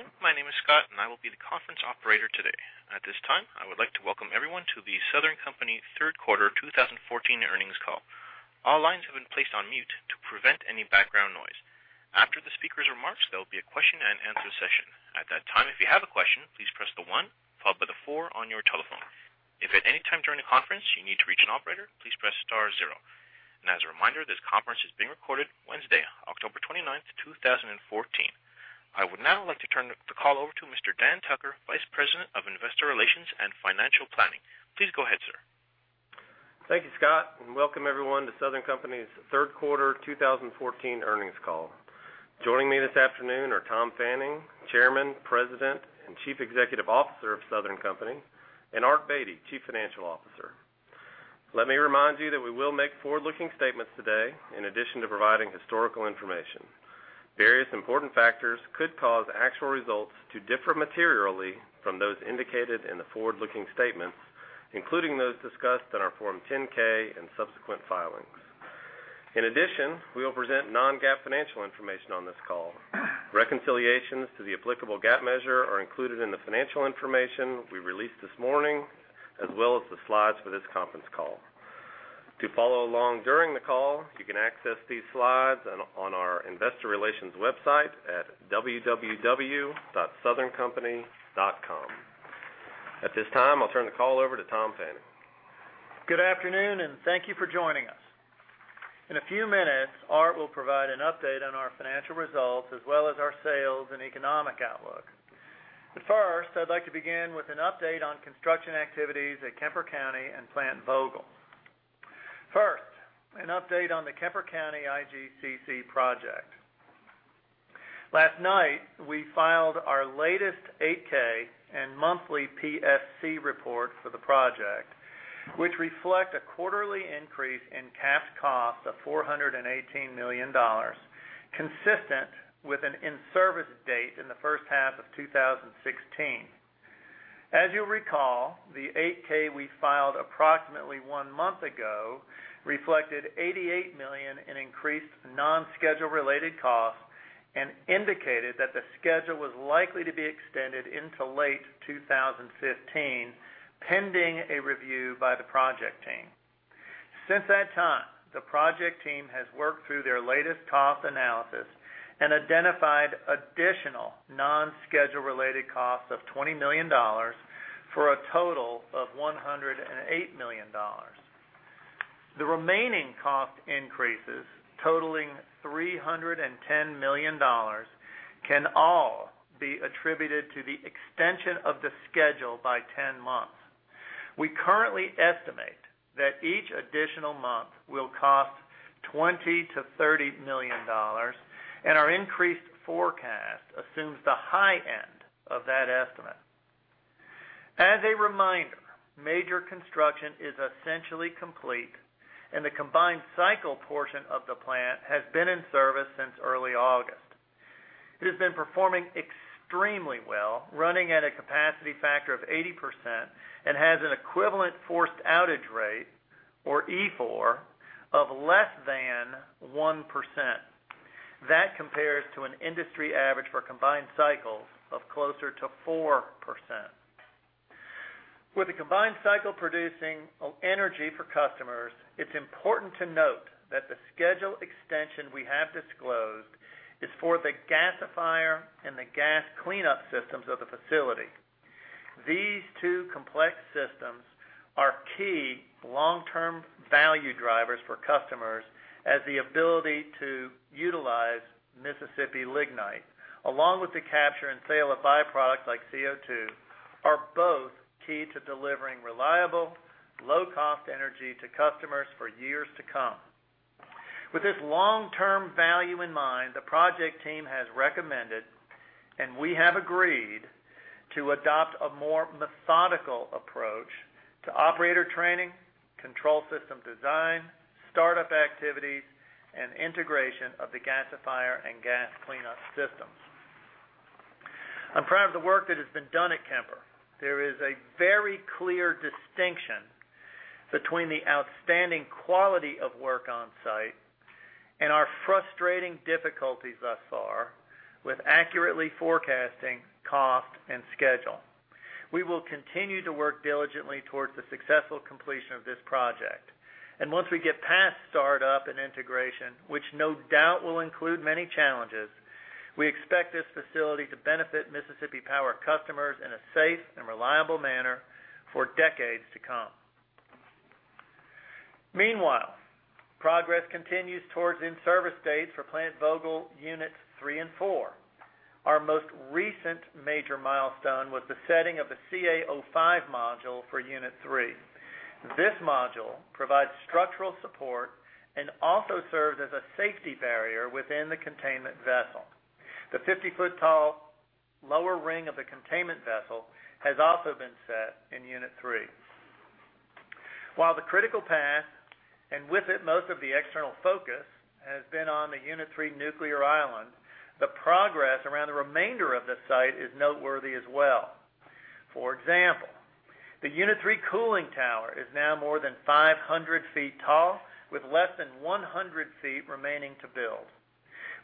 Good afternoon. My name is Scott, and I will be the conference operator today. At this time, I would like to welcome everyone to The Southern Company third quarter 2014 earnings call. All lines have been placed on mute to prevent any background noise. After the speaker's remarks, there will be a question and answer session. At that time, if you have a question, please press the one followed by the four on your telephone. If at any time during the conference, you need to reach an operator, please press star zero. As a reminder, this conference is being recorded Wednesday, October 29th, 2014. I would now like to turn the call over to Mr. Dan Tucker, Vice President of Investor Relations and Financial Planning. Please go ahead, sir. Thank you, Scott, and welcome everyone to Southern Company's third quarter 2014 earnings call. Joining me this afternoon are Tom Fanning, Chairman, President, and Chief Executive Officer of Southern Company, and Art Beattie, Chief Financial Officer. Let me remind you that we will make forward-looking statements today in addition to providing historical information. Various important factors could cause actual results to differ materially from those indicated in the forward-looking statements, including those discussed in our Form 10-K and subsequent filings. In addition, we will present non-GAAP financial information on this call. Reconciliations to the applicable GAAP measure are included in the financial information we released this morning, as well as the slides for this conference call. To follow along during the call, you can access these slides on our investor relations website at www.southerncompany.com. At this time, I'll turn the call over to Tom Fanning. Good afternoon, and thank you for joining us. In a few minutes, Art will provide an update on our financial results as well as our sales and economic outlook. First, I'd like to begin with an update on construction activities at Kemper County and Plant Vogtle. First, an update on the Kemper County IGCC project. Last night, we filed our latest 8-K and monthly PSC report for the project, which reflect a quarterly increase in cash cost of $418 million, consistent with an in-service date in the first half of 2016. As you'll recall, the 8-K we filed approximately one month ago reflected $88 million in increased non-schedule related costs and indicated that the schedule was likely to be extended into late 2015, pending a review by the project team. Since that time, the project team has worked through their latest cost analysis and identified additional non-schedule related costs of $20 million for a total of $108 million. The remaining cost increases totaling $310 million can all be attributed to the extension of the schedule by 10 months. We currently estimate that each additional month will cost $20 million-$30 million, and our increased forecast assumes the high end of that estimate. As a reminder, major construction is essentially complete, and the combined cycle portion of the plant has been in service since early August. It has been performing extremely well, running at a capacity factor of 80% and has an Equivalent Forced Outage Rate, or EFOR, of less than 1%. That compares to an industry average for combined cycles of closer to 4%. With the combined cycle producing energy for customers, it's important to note that the schedule extension we have disclosed is for the gasifier and the gas cleanup systems of the facility. These two complex systems are key long-term value drivers for customers as the ability to utilize Mississippi lignite, along with the capture and sale of byproducts like CO2, are both key to delivering reliable, low-cost energy to customers for years to come. With this long-term value in mind, the project team has recommended, and we have agreed to adopt a more methodical approach to operator training, control system design, startup activities, and integration of the gasifier and gas cleanup systems. I'm proud of the work that has been done at Kemper. There is a very clear distinction between the outstanding quality of work on-site and our frustrating difficulties thus far with accurately forecasting cost and schedule. We will continue to work diligently towards the successful completion of this project. Once we get past startup and integration, which no doubt will include many challenges, we expect this facility to benefit Mississippi Power customers in a safe and reliable manner for decades to come. Meanwhile, progress continues towards in-service dates for Plant Vogtle units 3 and 4. Our most recent major milestone was the setting of the CA05 module for unit 3. This module provides structural support and also serves as a safety barrier within the containment vessel. The 50-foot tall lower ring of the containment vessel has also been set in unit 3. While the critical path, and with it most of the external focus, has been on the unit 3 nuclear island, the progress around the remainder of the site is noteworthy as well. For example, the Unit 3 cooling tower is now more than 500 feet tall with less than 100 feet remaining to build.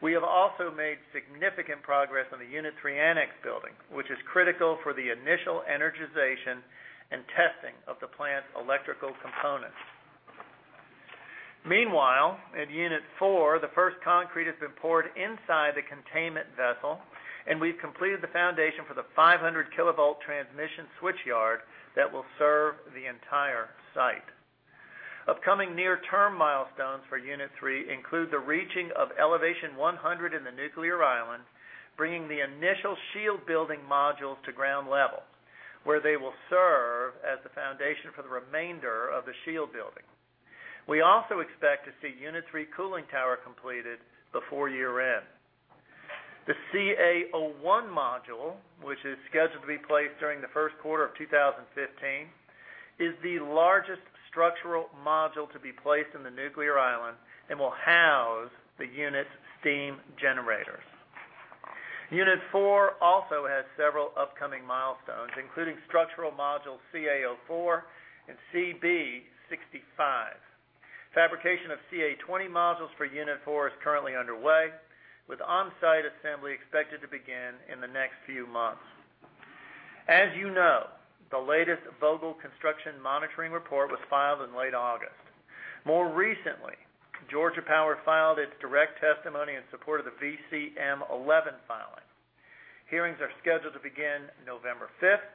We have also made significant progress on the Unit 3 annex building, which is critical for the initial energization and testing of the plant's electrical components. Meanwhile, at Unit 4, the first concrete has been poured inside the containment vessel. We've completed the foundation for the 500-kilovolt transmission switch yard that will serve the entire site. Upcoming near-term milestones for Unit 3 include the reaching of elevation 100 in the nuclear island, bringing the initial shield building modules to ground level, where they will serve as the foundation for the remainder of the shield building. We also expect to see Unit 3 cooling tower completed before year-end. The CA-01 module, which is scheduled to be placed during the first quarter of 2015, is the largest structural module to be placed in the nuclear island and will house the unit's steam generators. Unit 4 also has several upcoming milestones, including structural modules CA-04 and CB-65. Fabrication of CA-20 modules for Unit 4 is currently underway, with on-site assembly expected to begin in the next few months. As you know, the latest Vogtle construction monitoring report was filed in late August. More recently, Georgia Power filed its direct testimony in support of the VCM-11 filing. Hearings are scheduled to begin November 5th,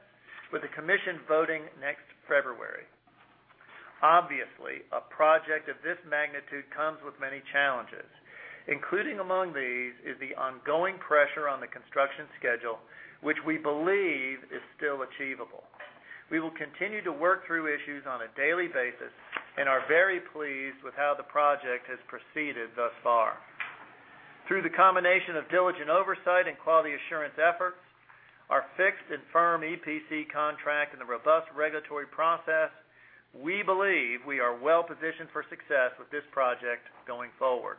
with the commission voting next February. A project of this magnitude comes with many challenges, including among these is the ongoing pressure on the construction schedule, which we believe is still achievable. We will continue to work through issues on a daily basis and are very pleased with how the project has proceeded thus far. Through the combination of diligent oversight and quality assurance efforts, our fixed and firm EPC contract, and the robust regulatory process, we believe we are well-positioned for success with this project going forward.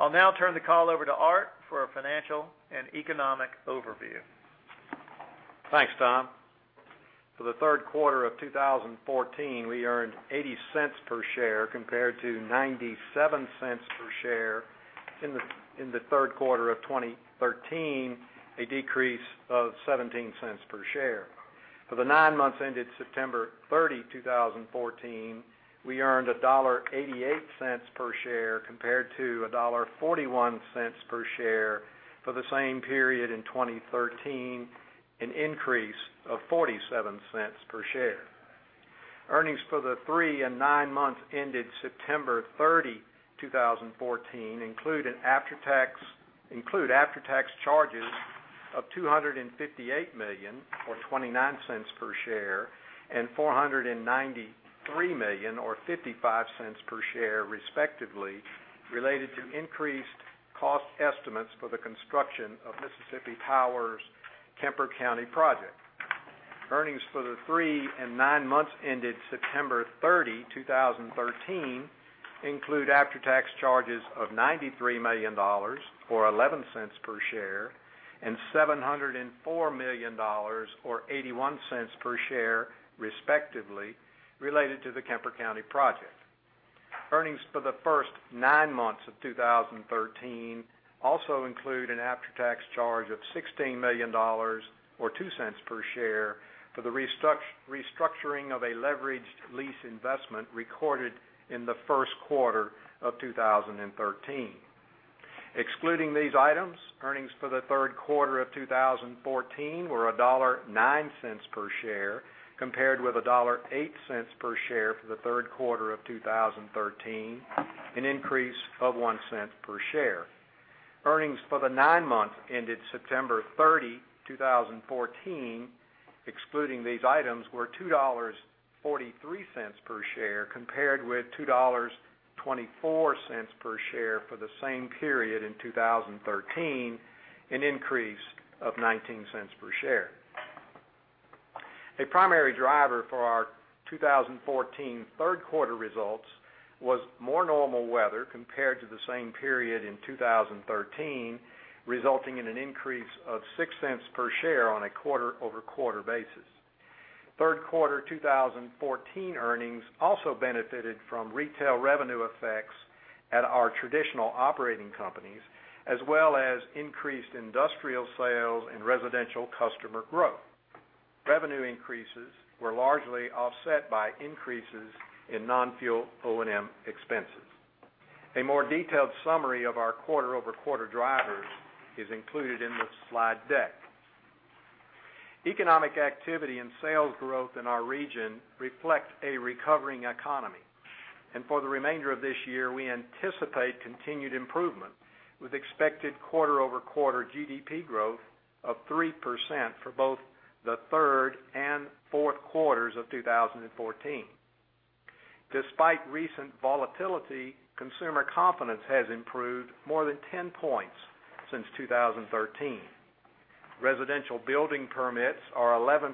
I'll now turn the call over to Art for a financial and economic overview. Thanks, Tom. For the third quarter of 2014, we earned $0.80 per share compared to $0.97 per share in the third quarter of 2013, a decrease of $0.17 per share. For the nine months ended September 30, 2014, we earned $1.88 per share compared to $1.41 per share for the same period in 2013, an increase of $0.47 per share. Earnings for the three and nine months ended September 30, 2014 include after-tax charges of $258 million, or $0.29 per share, and $493 million, or $0.55 per share, respectively, related to increased cost estimates for the construction of Mississippi Power's Kemper County project. Earnings for the three and nine months ended September 30, 2013 include after-tax charges of $93 million, or $0.11 per share, and $704 million, or $0.81 per share, respectively, related to the Kemper County project. Earnings for the first nine months of 2013 also include an after-tax charge of $16 million, or $0.02 per share, for the restructuring of a leveraged lease investment recorded in the first quarter of 2013. Excluding these items, earnings for the third quarter of 2014 were $1.09 per share compared with $1.08 per share for the third quarter of 2013, an increase of $0.01 per share. Earnings for the nine months ended September 30, 2014, excluding these items, were $2.43 per share compared with $2.24 per share for the same period in 2013, an increase of $0.19 per share. A primary driver for our 2014 third quarter results was more normal weather compared to the same period in 2013, resulting in an increase of $0.06 per share on a quarter-over-quarter basis. Third quarter 2014 earnings also benefited from retail revenue effects at our traditional operating companies, as well as increased industrial sales and residential customer growth. Revenue increases were largely offset by increases in non-fuel O&M expenses. A more detailed summary of our quarter-over-quarter drivers is included in the slide deck. Economic activity and sales growth in our region reflect a recovering economy. For the remainder of this year, we anticipate continued improvement, with expected quarter-over-quarter GDP growth of 3% for both the third and fourth quarters of 2014. Despite recent volatility, consumer confidence has improved more than 10 points since 2013. Residential building permits are 11%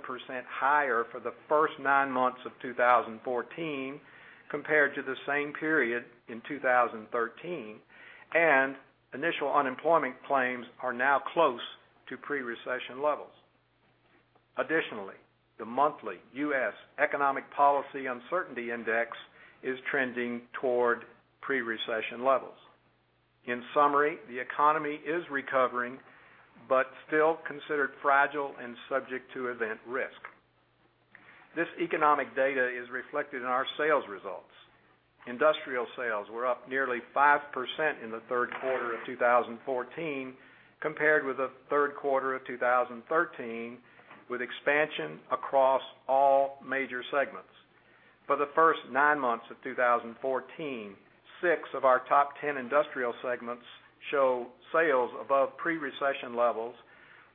higher for the first nine months of 2014 compared to the same period in 2013, and initial unemployment claims are now close to pre-recession levels. Additionally, the monthly U.S. Economic Policy Uncertainty Index is trending toward pre-recession levels. In summary, the economy is recovering, but still considered fragile and subject to event risk. This economic data is reflected in our sales results. Industrial sales were up nearly 5% in the third quarter of 2014 compared with the third quarter of 2013, with expansion across all major segments. For the first nine months of 2014, six of our top 10 industrial segments show sales above pre-recession levels,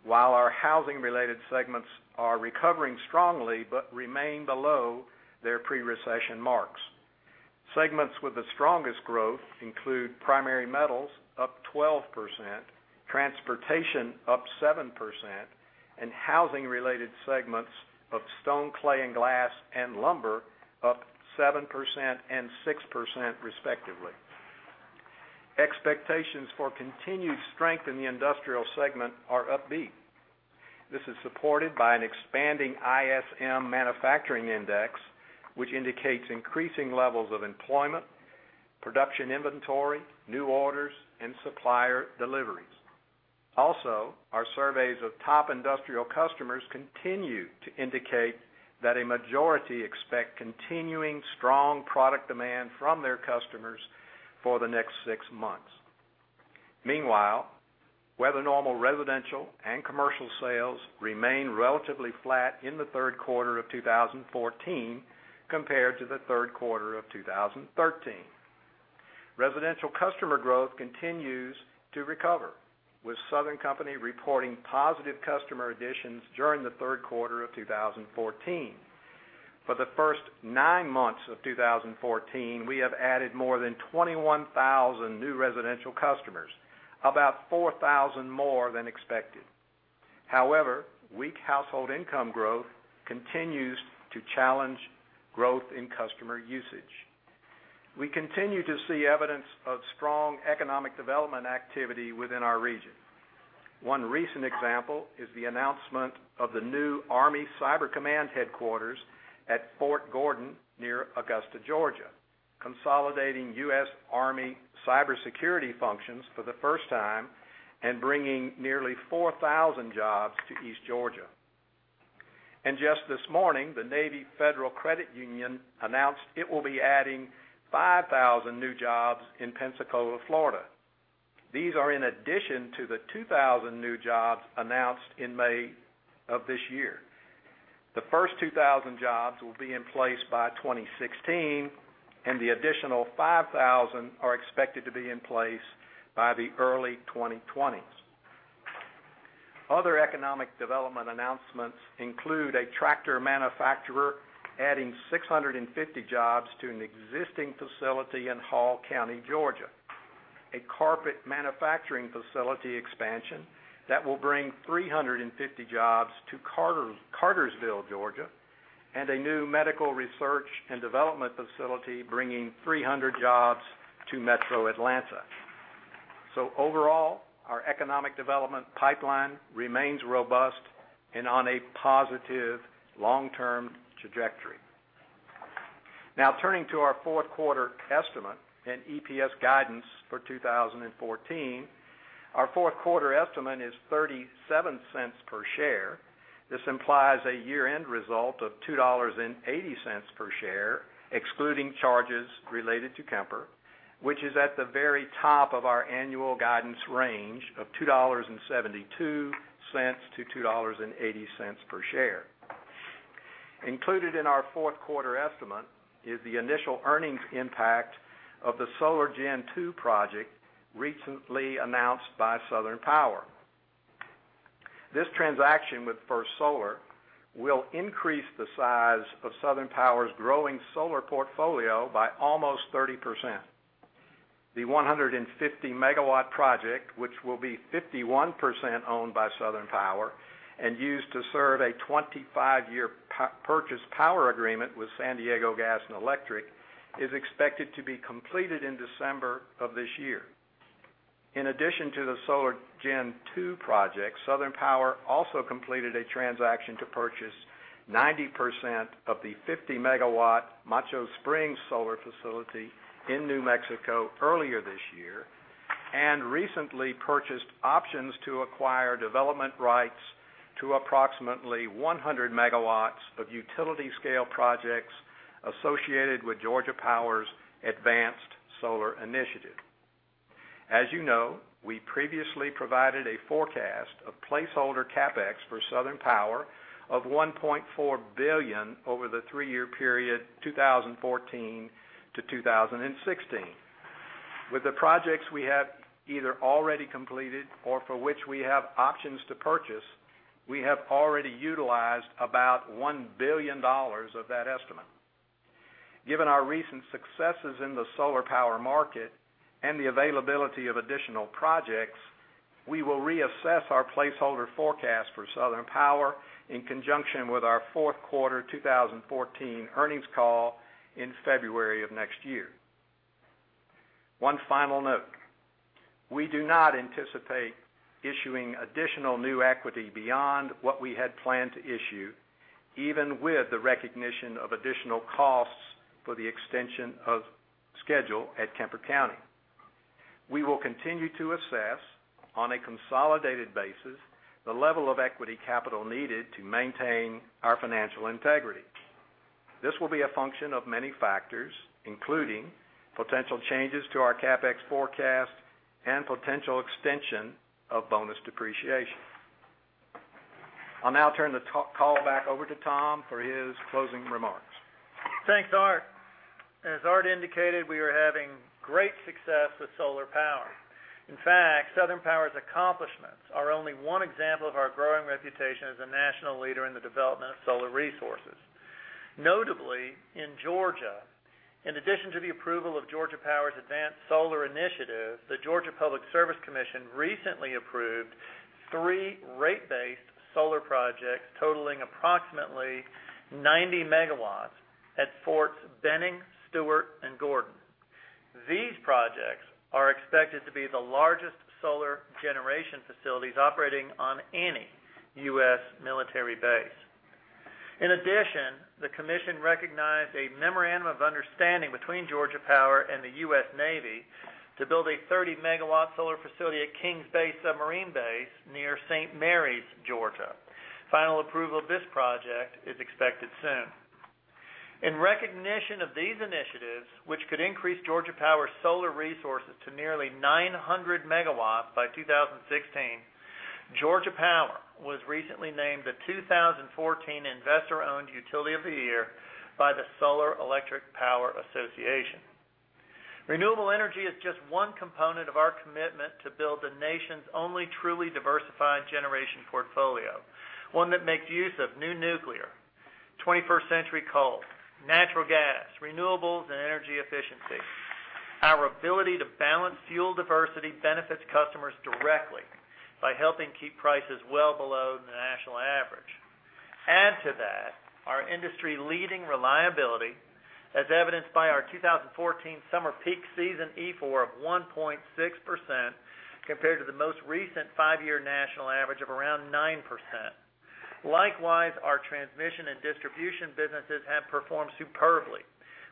while our housing-related segments are recovering strongly, but remain below their pre-recession marks. Segments with the strongest growth include primary metals, up 12%, transportation, up 7%, and housing-related segments of stone, clay, and glass and lumber, up 7% and 6% respectively. Expectations for continued strength in the industrial segment are upbeat. This is supported by an expanding ISM Manufacturing Index, which indicates increasing levels of employment, production inventory, new orders, and supplier deliveries. Our surveys of top industrial customers continue to indicate that a majority expect continuing strong product demand from their customers for the next six months. Meanwhile, weather normal residential and commercial sales remained relatively flat in the third quarter of 2014 compared to the third quarter of 2013. Residential customer growth continues to recover, with Southern Company reporting positive customer additions during the third quarter of 2014. For the first nine months of 2014, we have added more than 21,000 new residential customers, about 4,000 more than expected. However, weak household income growth continues to challenge growth in customer usage. We continue to see evidence of strong economic development activity within our region. One recent example is the announcement of the new U.S. Army Cyber Command headquarters at Fort Gordon near Augusta, Georgia, consolidating U.S. Army cybersecurity functions for the first time and bringing nearly 4,000 jobs to East Georgia. Just this morning, the Navy Federal Credit Union announced it will be adding 5,000 new jobs in Pensacola, Florida. These are in addition to the 2,000 new jobs announced in May of this year. The first 2,000 jobs will be in place by 2016, and the additional 5,000 are expected to be in place by the early 2020s. Other economic development announcements include a tractor manufacturer adding 650 jobs to an existing facility in Hall County, Georgia, a carpet manufacturing facility expansion that will bring 350 jobs to Cartersville, Georgia, and a new medical research and development facility bringing 300 jobs to Metro Atlanta. Overall, our economic development pipeline remains robust and on a positive long-term trajectory. Now turning to our fourth quarter estimate and EPS guidance for 2014. Our fourth quarter estimate is $0.37 per share. This implies a year-end result of $2.80 per share, excluding charges related to Kemper, which is at the very top of our annual guidance range of $2.72 to $2.80 per share. Included in our fourth quarter estimate is the initial earnings impact of the Solar Gen2 project recently announced by Southern Power. This transaction with First Solar will increase the size of Southern Power's growing solar portfolio by almost 30%. The 150-megawatt project, which will be 51% owned by Southern Power and used to serve a 25-year purchase power agreement with San Diego Gas & Electric, is expected to be completed in December of this year. In addition to the Solar Gen2 project, Southern Power also completed a transaction to purchase 90% of the 50-megawatt Macho Springs solar facility in New Mexico earlier this year and recently purchased options to acquire development rights to approximately 100 MW of utility scale projects associated with Georgia Power's Advanced Solar Initiative. As you know, we previously provided a forecast of placeholder CapEx for Southern Power of $1.4 billion over the three-year period 2014 to 2016. With the projects we have either already completed or for which we have options to purchase, we have already utilized about $1 billion of that estimate. Given our recent successes in the solar power market and the availability of additional projects, we will reassess our placeholder forecast for Southern Power in conjunction with our fourth quarter 2014 earnings call in February of next year. One final note. We do not anticipate issuing additional new equity beyond what we had planned to issue, even with the recognition of additional costs for the extension of schedule at Kemper County. We will continue to assess, on a consolidated basis, the level of equity capital needed to maintain our financial integrity. This will be a function of many factors, including potential changes to our CapEx forecast and potential extension of bonus depreciation. I'll now turn the call back over to Tom for his closing remarks. Thanks, Art. As Art indicated, we are having great success with solar power. In fact, Southern Power's accomplishments are only one example of our growing reputation as a national leader in the development of solar resources. Notably, in Georgia, in addition to the approval of Georgia Power's Advanced Solar Initiative, the Georgia Public Service Commission recently approved three rate-based solar projects totaling approximately 90 MW at Forts Benning, Stewart, and Gordon. These projects are expected to be the largest solar generation facilities operating on any U.S. military base. In addition, the commission recognized a memorandum of understanding between Georgia Power and the U.S. Navy to build a 30-megawatt solar facility at Kings Bay submarine base near St. Marys, Georgia. Final approval of this project is expected soon. In recognition of these initiatives, which could increase Georgia Power's solar resources to nearly 900 MW by 2016, Georgia Power was recently named the 2014 Investor-Owned Utility of the Year by the Solar Electric Power Association. Renewable energy is just one component of our commitment to build the nation's only truly diversified generation portfolio, one that makes use of new nuclear, 21st-century coal, natural gas, renewables, and energy efficiency. Our ability to balance fuel diversity benefits customers directly by helping keep prices well below the national average. Add to that our industry-leading reliability, as evidenced by our 2014 summer peak season EFOR of 1.6%, compared to the most recent five-year national average of around 9%. Likewise, our transmission and distribution businesses have performed superbly,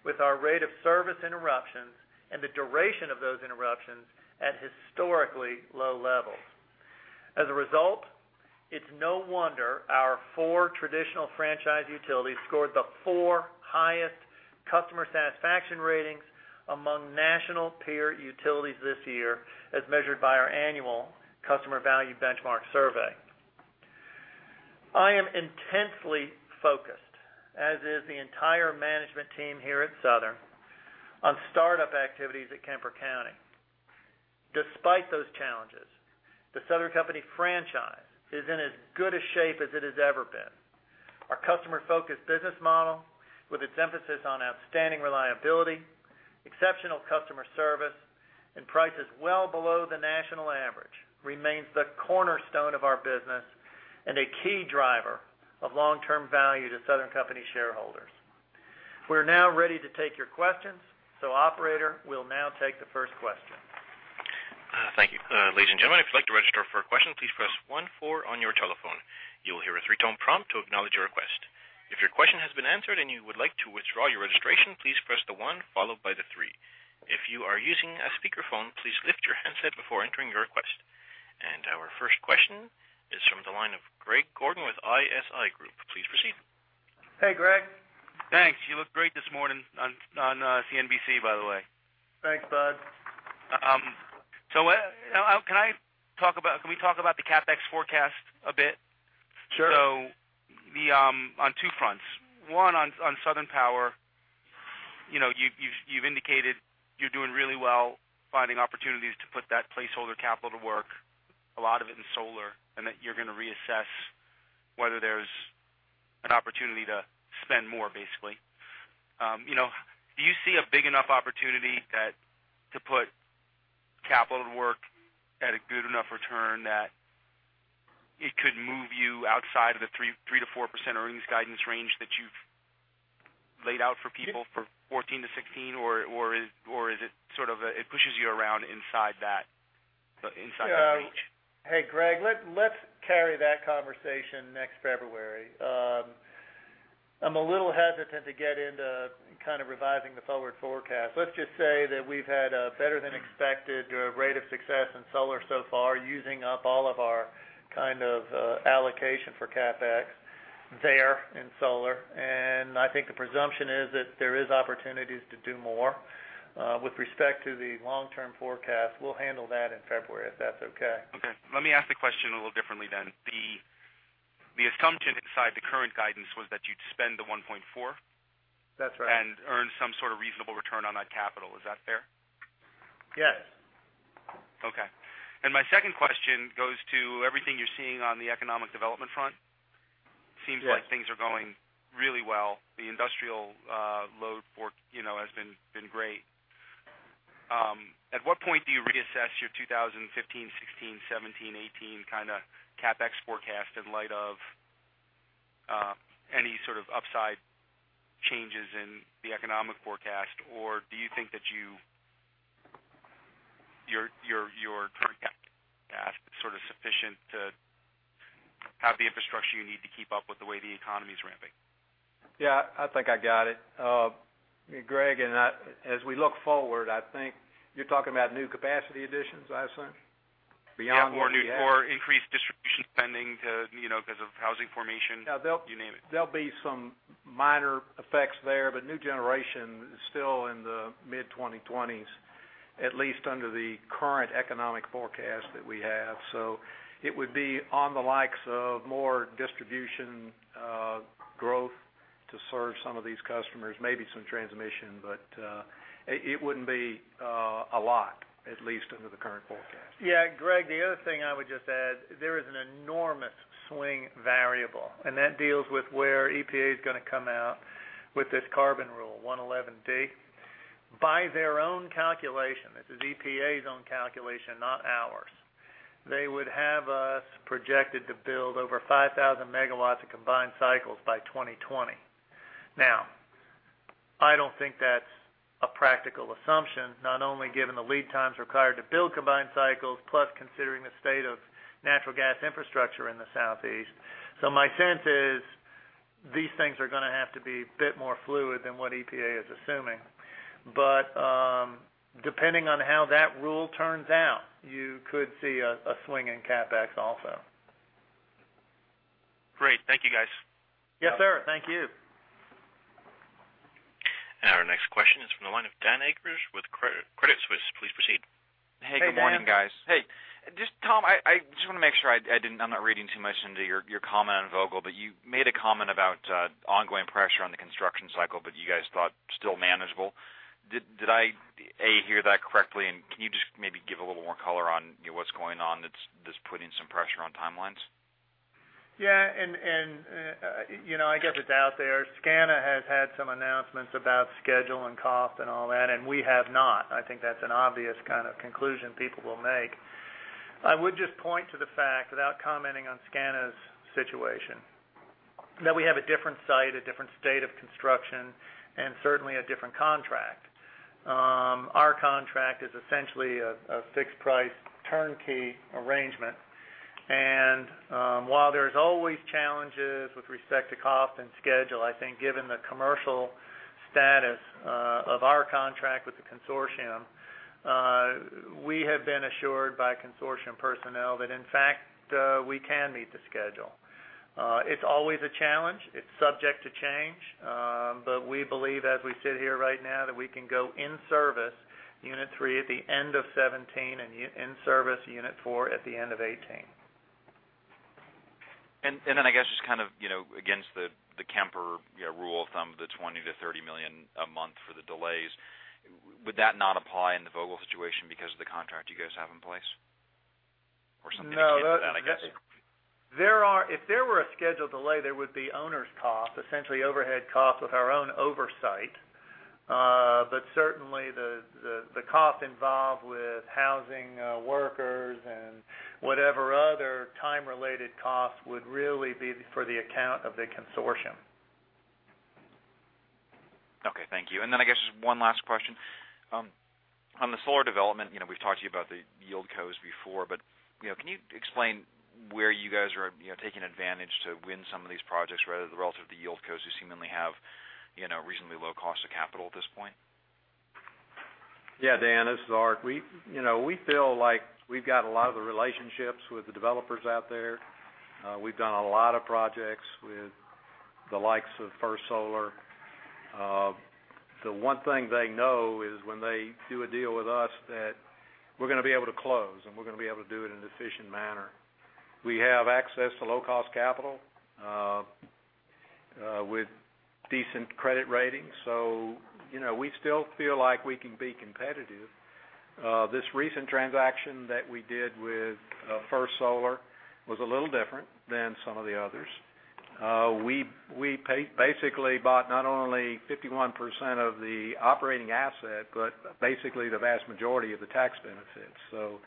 with our rate of service interruptions and the duration of those interruptions at historically low levels. As a result, it's no wonder our four traditional franchise utilities scored the four highest customer satisfaction ratings among national peer utilities this year as measured by our annual customer value benchmark survey. I am intensely focused, as is the entire management team here at Southern, on startup activities at Kemper County. Despite those challenges, the Southern Company franchise is in as good a shape as it has ever been. Our customer-focused business model, with its emphasis on outstanding reliability, exceptional customer service, and prices well below the national average, remains the cornerstone of our business and a key driver of long-term value to Southern Company shareholders. We're now ready to take your questions. Operator, we'll now take the first question. Thank you. Ladies and gentlemen, if you'd like to register for a question, please press one four on your telephone. You will hear a 3-tone prompt to acknowledge your request. If your question has been answered and you would like to withdraw your registration, please press the one followed by the three. If you are using a speakerphone, please lift your handset before entering your request. Our first question is from the line of Greg Gordon with ISI Group. Please proceed. Hey, Greg. Thanks. You looked great this morning on CNBC, by the way. Thanks, bud. Can we talk about the CapEx forecast a bit? Sure. On two fronts. One, on Southern Power, you've indicated you're doing really well finding opportunities to put that placeholder capital to work, a lot of it in solar, and that you're going to reassess whether there's an opportunity to spend more, basically. Do you see a big enough opportunity to put capital to work at a good enough return that it could move you outside of the 3%-4% earnings guidance range that you've laid out for people for 2014 to 2016, or is it sort of it pushes you around inside that range? Hey, Greg, let's carry that conversation next February. I'm a little hesitant to get into kind of revising the forward forecast. Let's just say that we've had a better-than-expected rate of success in solar so far, using up all of our kind of allocation for CapEx there in solar. I think the presumption is that there is opportunities to do more. With respect to the long-term forecast, we'll handle that in February, if that's okay. Okay. Let me ask the question a little differently. The assumption inside the current guidance was that you'd spend the $1.4? That's right. Earn some sort of reasonable return on that capital. Is that fair? Yes. Okay. My second question goes to everything you're seeing on the economic development front. Yes. Seems like things are going really well. The industrial load has been great. At what point do you reassess your 2015, 2016, 2017, 2018 kind of CapEx forecast in light of Any sort of upside changes in the economic forecast, or do you think that your current CapEx is sufficient to have the infrastructure you need to keep up with the way the economy's ramping? Yeah, I think I got it. Greg, as we look forward, I think you're talking about new capacity additions, I assume? Beyond what we have. Yeah, more increased distribution spending because of housing formation. You name it. There'll be some minor effects there, but new generation is still in the mid-2020s, at least under the current economic forecast that we have. It would be on the likes of more distribution growth to serve some of these customers, maybe some transmission. It wouldn't be a lot, at least under the current forecast. Yeah, Greg, the other thing I would just add, there is an enormous swing variable, and that deals with where EPA's going to come out with this carbon rule, 111D. By their own calculation, this is EPA's own calculation, not ours, they would have us projected to build over 5,000 megawatts of combined cycles by 2020. I don't think that's a practical assumption, not only given the lead times required to build combined cycles, plus considering the state of natural gas infrastructure in the southeast. My sense is these things are going to have to be a bit more fluid than what EPA is assuming. Depending on how that rule turns out, you could see a swing in CapEx also. Great. Thank you, guys. Yes, sir. Thank you. Our next question is from the line of Dan Eggers with Credit Suisse. Please proceed. Hey, good morning. Hey, Dan. Hey. Just Tom, I just want to make sure I'm not reading too much into your comment on Vogtle. You made a comment about ongoing pressure on the construction cycle that you guys thought still manageable. Did I, A, hear that correctly? Can you just maybe give a little more color on what's going on that's putting some pressure on timelines? Yeah, I guess it's out there. SCANA Corporation has had some announcements about schedule and cost and all that, we have not. I think that's an obvious kind of conclusion people will make. I would just point to the fact, without commenting on SCANA Corporation's situation, that we have a different site, a different state of construction, and certainly a different contract. Our contract is essentially a fixed-price turnkey arrangement. While there's always challenges with respect to cost and schedule, I think given the commercial status of our contract with the consortium, we have been assured by consortium personnel that in fact, we can meet the schedule. It's always a challenge. It's subject to change. We believe as we sit here right now, that we can go in service Unit 3 at the end of 2017, and in service Unit 4 at the end of 2018. Then I guess just against the Kemper rule of thumb, the $20 million to $30 million a month for the delays, would that not apply in the Vogtle situation because of the contract you guys have in place? Something that came from that, I guess? If there were a schedule delay, there would be owners' costs, essentially overhead costs with our own oversight. Certainly the cost involved with housing workers and whatever other time-related costs would really be for the account of the consortium. Okay, thank you. Then I guess just one last question. On the solar development, we've talked to you about the yieldcos before, can you explain where you guys are taking advantage to win some of these projects rather than the relative, the yieldcos who seemingly have reasonably low cost of capital at this point? Dan, this is Art. We feel like we've got a lot of the relationships with the developers out there. We've done a lot of projects with the likes of First Solar. The one thing they know is when they do a deal with us that we're going to be able to close, and we're going to be able to do it in an efficient manner. We have access to low-cost capital with decent credit ratings. We still feel like we can be competitive. This recent transaction that we did with First Solar was a little different than some of the others. We basically bought not only 51% of the operating asset, but basically the vast majority of the tax benefits.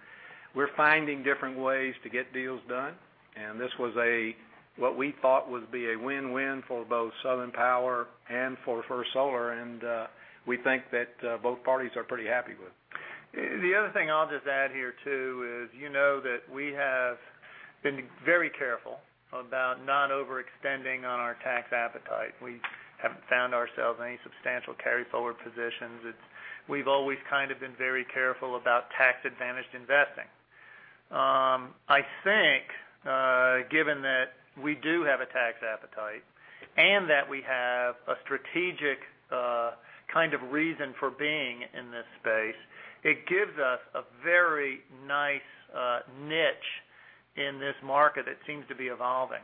We're finding different ways to get deals done, and this was what we thought would be a win-win for both Southern Power and for First Solar. We think that both parties are pretty happy with. The other thing I'll just add here, too, is you know that we have been very careful about not overextending on our tax appetite. We haven't found ourselves any substantial carry-forward positions. We've always kind of been very careful about tax-advantaged investing. I think given that we do have a tax appetite and that we have a strategic kind of reason for being in this space, it gives us a very nice niche in this market that seems to be evolving.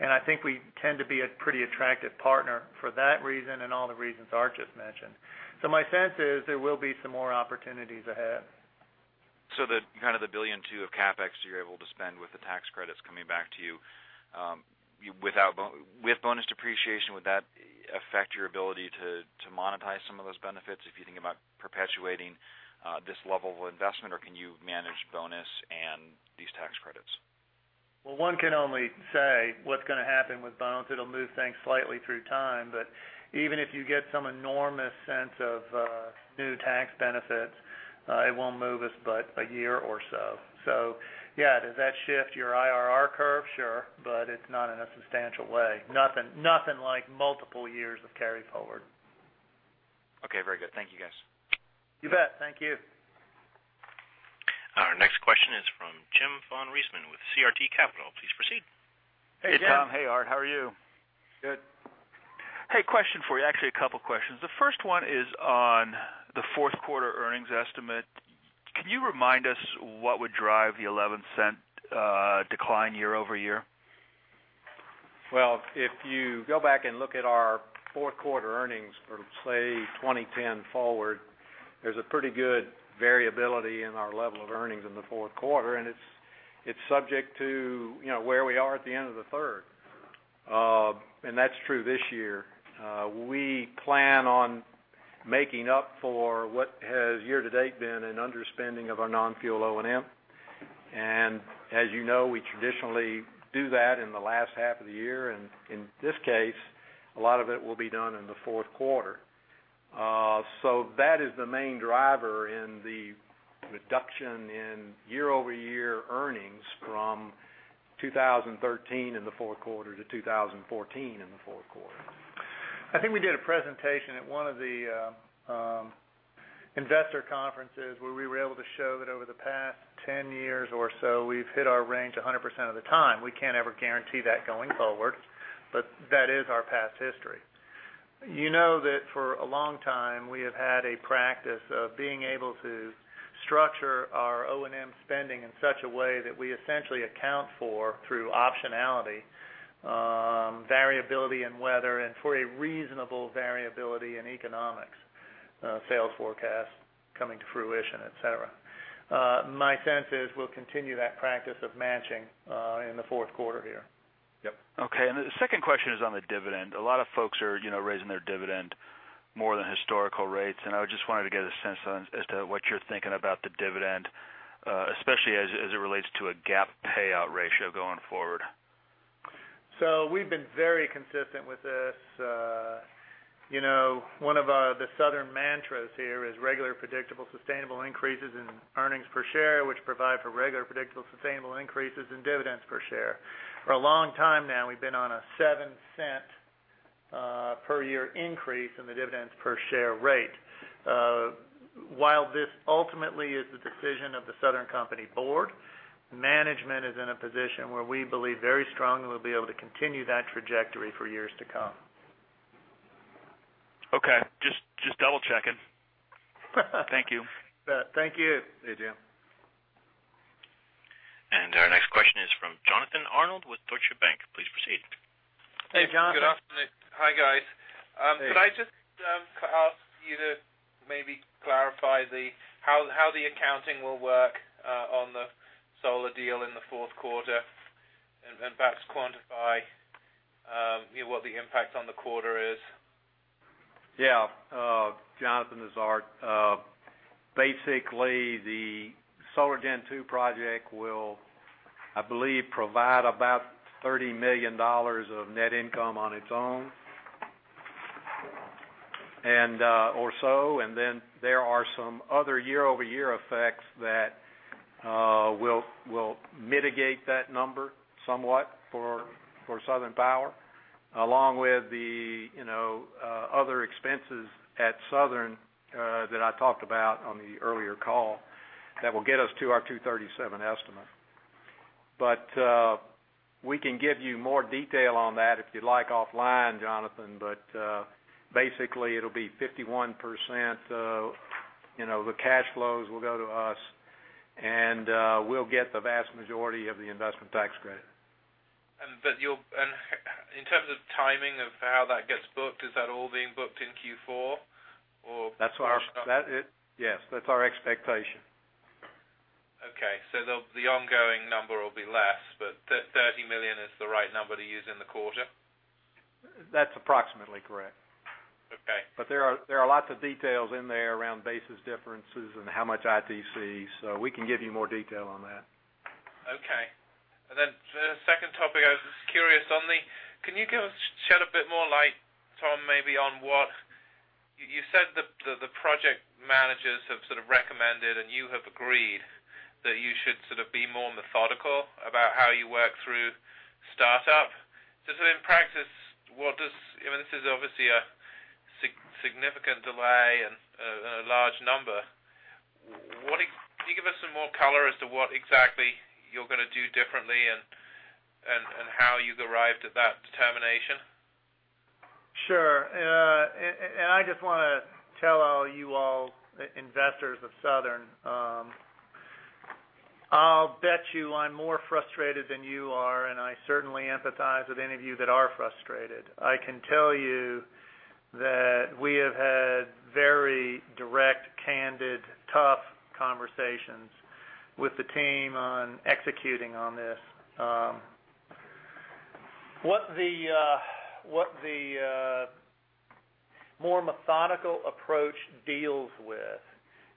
I think we tend to be a pretty attractive partner for that reason and all the reasons Art just mentioned. My sense is there will be some more opportunities ahead. The kind of the $1.2 billion of CapEx you're able to spend with the tax credits coming back to you with bonus depreciation, would that affect your ability to monetize some of those benefits if you think about perpetuating this level of investment, or can you manage bonus and these tax credits? Well, one can only say what's going to happen with bonus. It'll move things slightly through time, but even if you get some enormous sense of new tax benefits, it won't move us but a year or so. Yeah, does that shift your IRR curve? Sure, it's not in a substantial way. Nothing like multiple years of carry forward. Okay, very good. Thank you, guys. You bet. Thank you. Our next question is from Jim von Riesemann with CRT Capital. Please proceed. Hey, Tom. Hey, Art. How are you? Good. Hey, question for you. Actually, a couple questions. The first one is on the fourth quarter earnings estimate. Can you remind us what would drive the $0.11 decline year-over-year? Well, if you go back and look at our fourth quarter earnings for, say, 2010 forward, there's a pretty good variability in our level of earnings in the fourth quarter, and it's subject to where we are at the end of the third. That's true this year. We plan on making up for what has year-to-date been an underspending of our non-fuel O&M. As you know, we traditionally do that in the last half of the year, and in this case, a lot of it will be done in the fourth quarter. That is the main driver in the reduction in year-over-year earnings from 2013 in the fourth quarter to 2014 in the fourth quarter. I think we did a presentation at one of the investor conferences where we were able to show that over the past 10 years or so, we've hit our range 100% of the time. We can't ever guarantee that going forward, that is our past history. You know that for a long time, we have had a practice of being able to structure our O&M spending in such a way that we essentially account for, through optionality, variability in weather and for a reasonable variability in economics, sales forecast coming to fruition, et cetera. My sense is we'll continue that practice of matching in the fourth quarter here. Yep. Okay. The second question is on the dividend. A lot of folks are raising their dividend more than historical rates, and I just wanted to get a sense as to what you're thinking about the dividend, especially as it relates to a GAAP payout ratio going forward. We've been very consistent with this. One of The Southern Company mantras here is regular, predictable, sustainable increases in earnings per share, which provide for regular, predictable, sustainable increases in dividends per share. For a long time now, we've been on a $0.07 per year increase in the dividends per share rate. While this ultimately is the decision of The Southern Company board, management is in a position where we believe very strongly we'll be able to continue that trajectory for years to come. Okay. Just double-checking. Thank you. Thank you. Hey, Jim. Our next question is from Jonathan Arnold with Deutsche Bank. Please proceed. Hey, Jonathan. Good afternoon. Hi, guys. Hey. Could I just ask you to maybe clarify how the accounting will work on the solar deal in the fourth quarter and perhaps quantify what the impact on the quarter is? Jonathan, this is Art. Basically, the Solar Gen 2 project will, I believe, provide about $30 million of net income on its own, or so. There are some other year-over-year effects that will mitigate that number somewhat for Southern Power, along with the other expenses at Southern that I talked about on the earlier call that will get us to our 237 estimate. We can give you more detail on that if you'd like offline, Jonathan. Basically, it'll be 51%. The cash flows will go to us, and we'll get the vast majority of the investment tax credit. In terms of timing of how that gets booked, is that all being booked in Q4? Yes. That's our expectation. Okay. The ongoing number will be less, but $30 million is the right number to use in the quarter? That's approximately correct. Okay. There are lots of details in there around basis differences and how much ITC, we can give you more detail on that. Okay. The second topic I was just curious on, can you shed a bit more light, Tom, maybe on what you said the project managers have sort of recommended and you have agreed that you should sort of be more methodical about how you work through startup. Just sort of in practice, this is obviously a significant delay and a large number. Can you give us some more color as to what exactly you're going to do differently and how you've arrived at that determination? Sure. I just want to tell you all, investors of Southern, I'll bet you I'm more frustrated than you are, and I certainly empathize with any of you that are frustrated. I can tell you that we have had very direct, candid, tough conversations with the team on executing on this. What the more methodical approach deals with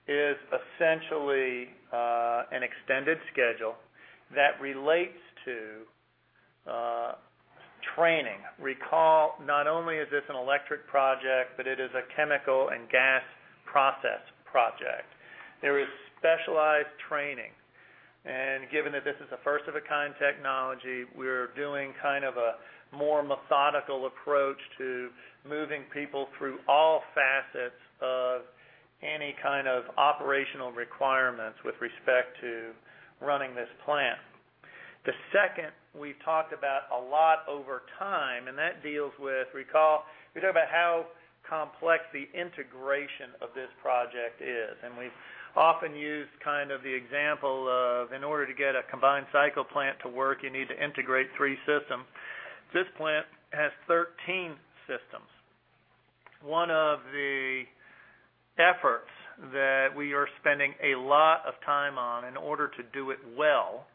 is essentially an extended schedule that relates to training. Recall, not only is this an electric project, but it is a chemical and gas process project. There is specialized training, and given that this is a first-of-a-kind technology, we're doing a more methodical approach to moving people through all facets of any kind of operational requirements with respect to running this plant. The second, we've talked about a lot over time, that deals with, recall, we talk about how complex the integration of this project is. We've often used the example of in order to get a combined cycle plant to work, you need to integrate three systems. This plant has 13 systems. One of the efforts that we are spending a lot of time on in order to do it well is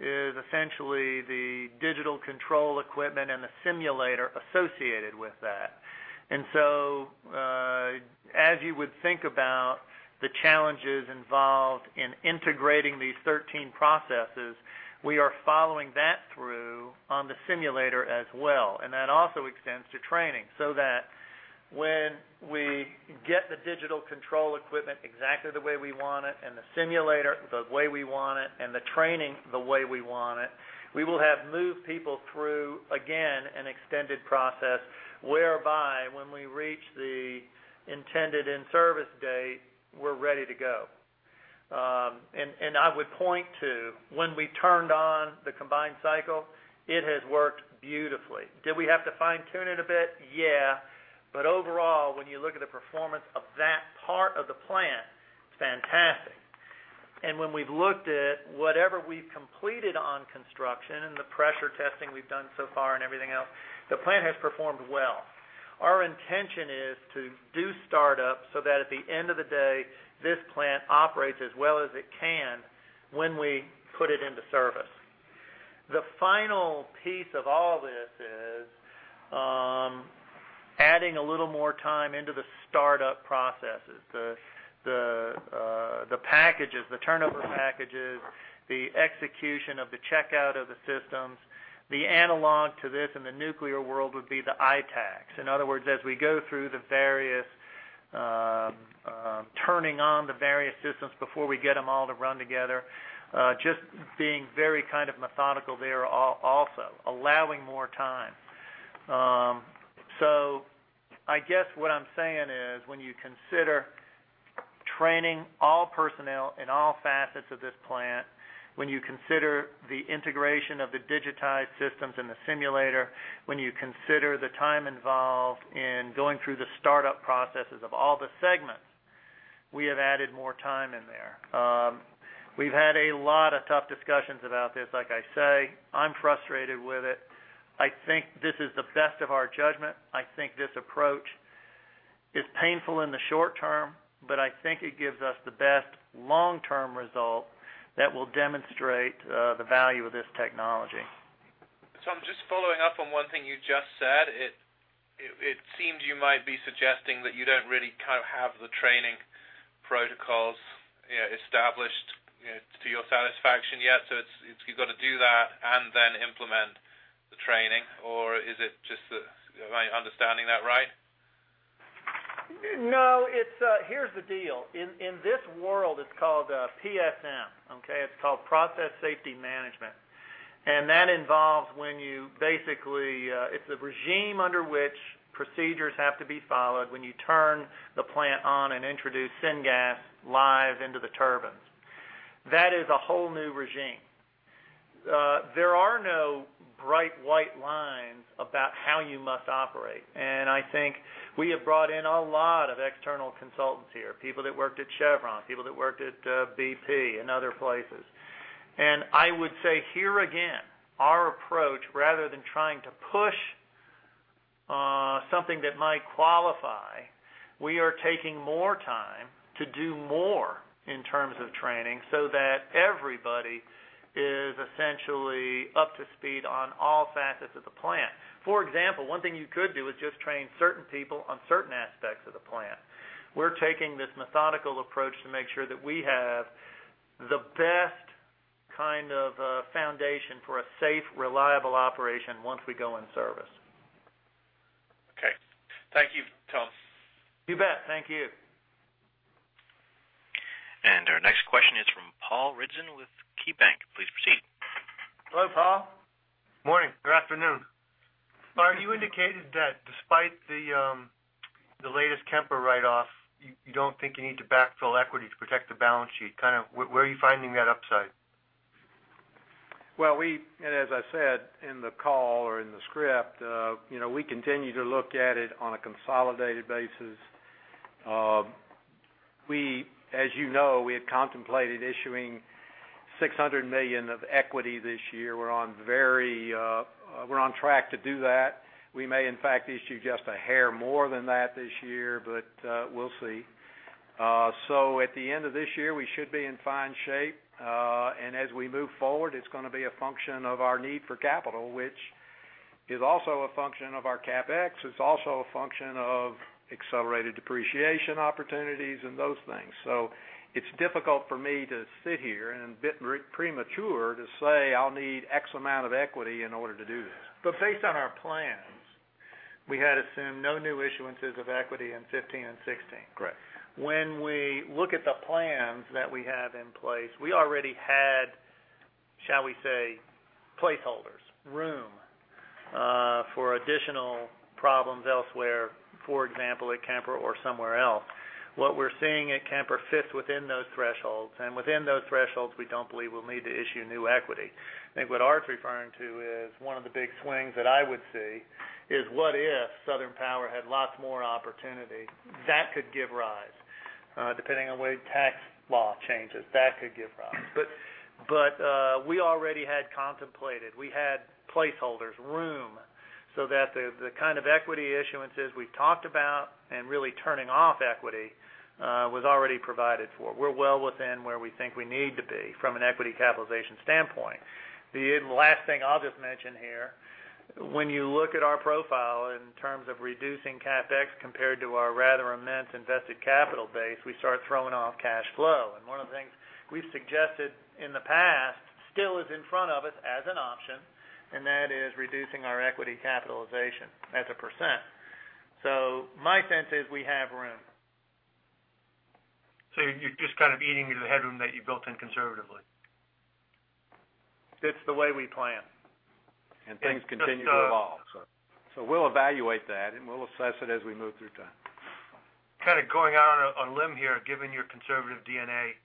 essentially the digital control equipment and the simulator associated with that. As you would think about the challenges involved in integrating these 13 processes, we are following that through on the simulator as well. That also extends to training, so that when we get the digital control equipment exactly the way we want it, and the simulator the way we want it, and the training the way we want it, we will have moved people through, again, an extended process, whereby when we reach the intended in-service date, we're ready to go. I would point to when we turned on the combined cycle, it has worked beautifully. Did we have to fine-tune it a bit? Yeah. Overall, when you look at the performance of that part of the plant, it's fantastic. When we've looked at whatever we've completed on construction and the pressure testing we've done so far and everything else, the plant has performed well. Our intention is to do startup so that at the end of the day, this plant operates as well as it can when we put it into service. The final piece of all this is adding a little more time into the startup processes. The packages, the turnover packages, the execution of the checkout of the systems. The analog to this in the nuclear world would be the ITAACs. In other words, as we go through the various turning on the various systems before we get them all to run together, just being very methodical there also, allowing more time. I guess what I'm saying is, when you consider training all personnel in all facets of this plant, when you consider the integration of the digitized systems in the simulator, when you consider the time involved in going through the startup processes of all the segments, we have added more time in there. We've had a lot of tough discussions about this, like I say. I'm frustrated with it. I think this is the best of our judgment. I think this approach is painful in the short term, but I think it gives us the best long-term result that will demonstrate the value of this technology. I'm just following up on one thing you just said. It seemed you might be suggesting that you don't really have the training protocols established to your satisfaction yet. You've got to do that and then implement the training, or am I understanding that right? No. Here's the deal. In this world, it's called PSM. Okay? It's called process safety management. That involves when you basically It's a regime under which procedures have to be followed when you turn the plant on and introduce syngas live into the turbines. That is a whole new regime. There are no bright white lines about how you must operate. I think we have brought in a lot of external consultants here, people that worked at Chevron, people that worked at BP and other places. I would say here again, our approach, rather than trying to push something that might qualify, we are taking more time to do more in terms of training so that everybody is essentially up to speed on all facets of the plant. For example, one thing you could do is just train certain people on certain aspects of the plant. We're taking this methodical approach to make sure that we have the best kind of foundation for a safe, reliable operation once we go in service. Okay. Thank you, Tom. You bet. Thank you. Our next question is from Paul Ridzon with KeyBank. Please proceed. Hello, Paul. Morning, or afternoon. Art, you indicated that despite the latest Kemper write-off, you don't think you need to backfill equity to protect the balance sheet. Where are you finding that upside? Well, as I said in the call or in the script, we continue to look at it on a consolidated basis. As you know, we had contemplated issuing $600 million of equity this year. We're on track to do that. We may, in fact, issue just a hair more than that this year, we'll see. At the end of this year, we should be in fine shape. As we move forward, it's going to be a function of our need for capital, which is also a function of our CapEx. It's also a function of accelerated depreciation opportunities and those things. It's difficult for me to sit here and a bit premature to say I'll need X amount of equity in order to do this. Based on our plans, we had assumed no new issuances of equity in 2015 and 2016. Correct. When we look at the plans that we have in place, we already had, shall we say, placeholders, room for additional problems elsewhere, for example, at Kemper or somewhere else. What we're seeing at Kemper fits within those thresholds, and within those thresholds, we don't believe we'll need to issue new equity. I think what Art's referring to is one of the big swings that I would see is what if Southern Power had lots more opportunity? That could give rise. Depending on the way tax law changes, that could give rise. We already had contemplated. We had placeholders, room, so that the kind of equity issuances we've talked about and really turning off equity was already provided for. We're well within where we think we need to be from an equity capitalization standpoint. The last thing I'll just mention here, when you look at our profile in terms of reducing CapEx compared to our rather immense invested capital base, we start throwing off cash flow. One of the things we've suggested in the past still is in front of us as an option, and that is reducing our equity capitalization as a percent. My sense is we have room. You're just kind of eating into the headroom that you built in conservatively. It's the way we plan. Things continue to evolve. We'll evaluate that, and we'll assess it as we move through time. Kind of going out on a limb here, given your conservative DNA,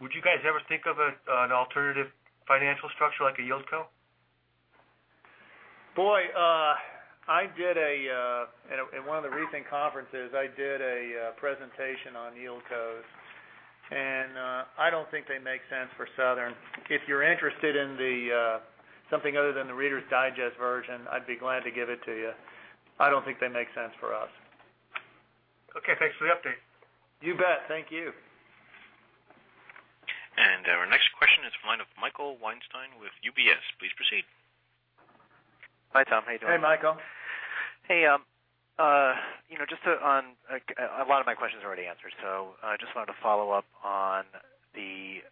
would you guys ever think of an alternative financial structure like a yieldco? Boy, in one of the recent conferences, I did a presentation on yieldcos, and I don't think they make sense for Southern. If you're interested in something other than the Reader's Digest version, I'd be glad to give it to you. I don't think they make sense for us. Okay. Thanks for the update. You bet. Thank you. Our next question is from Michael Weinstein with UBS. Please proceed. Hi, Tom. How you doing? Hey, Michael. Hey. A lot of my questions are already answered. I just wanted to follow up on the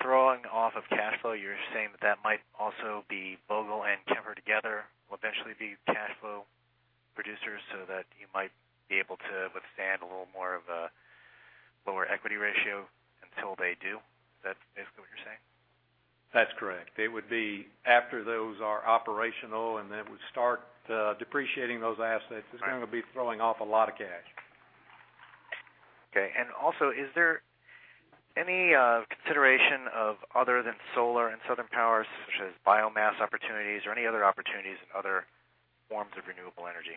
throwing off of cash flow. You're saying that might also be Vogtle and Kemper together will eventually be cash flow producers so that you might be able to withstand a little more of a lower equity ratio until they do. Is that basically what you're saying? That's correct. They would be after those are operational, then we start depreciating those assets. Right. It's going to be throwing off a lot of cash. Okay. Also, is there any consideration of other than solar in Southern Power, such as biomass opportunities or any other opportunities in other forms of renewable energy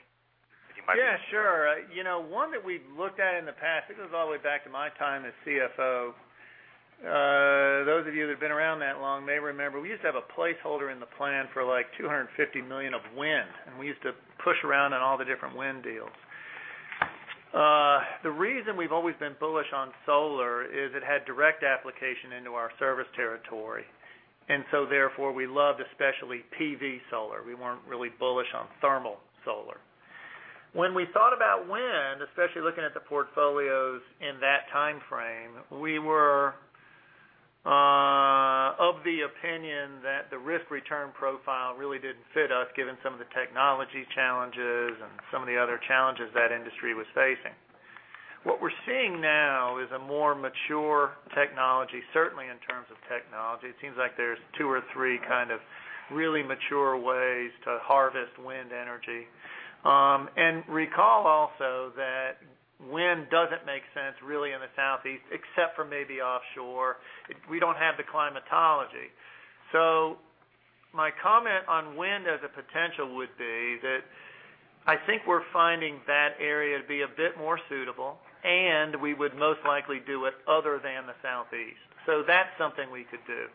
that you might be looking at? Yeah, sure. One that we've looked at in the past, it goes all the way back to my time as CFO. Those of you that have been around that long may remember we used to have a placeholder in the plan for like $250 million of wind, and we used to push around on all the different wind deals. The reason we've always been bullish on solar is it had direct application into our service territory, and so therefore, we loved especially PV solar. We weren't really bullish on thermal solar. When we thought about wind, especially looking at the portfolios in that timeframe, we were of the opinion that the risk-return profile really didn't fit us given some of the technology challenges and some of the other challenges that industry was facing. What we're seeing now is a more mature technology. Certainly, in terms of technology, it seems like there's two or three kind of really mature ways to harvest wind energy. Recall also that wind doesn't make sense really in the Southeast except for maybe offshore. We don't have the climatology. My comment on wind as a potential would be that I think we're finding that area to be a bit more suitable, and we would most likely do it other than the Southeast. That's something we could do.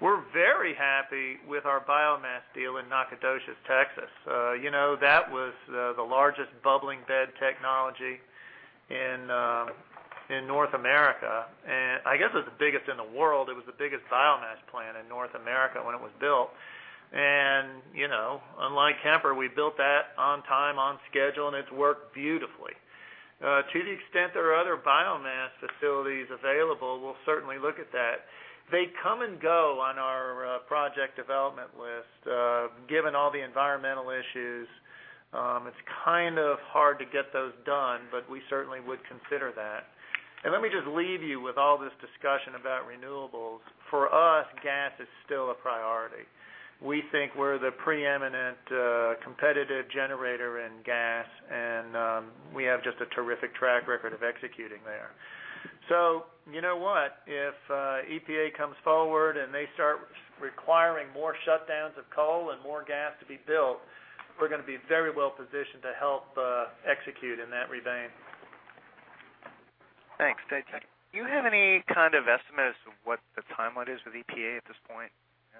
We're very happy with our biomass deal in Nacogdoches, Texas. That was the largest bubbling bed technology in North America. I guess it was the biggest in the world. It was the biggest biomass plant in North America when it was built. Unlike Kemper, we built that on time, on schedule, and it's worked beautifully. To the extent there are other biomass facilities available, we'll certainly look at that. They come and go on our project development list. Given all the environmental issues, it's kind of hard to get those done, we certainly would consider that. Let me just leave you with all this discussion about renewables. For us, gas is still a priority. We think we're the preeminent competitive generator in gas, and we have just a terrific track record of executing there. You know what? If EPA comes forward and they start requiring more shutdowns of coal and more gas to be built, we're going to be very well-positioned to help execute in that domain. Thanks. Do you have any kind of estimate as to what the timeline is with EPA at this point?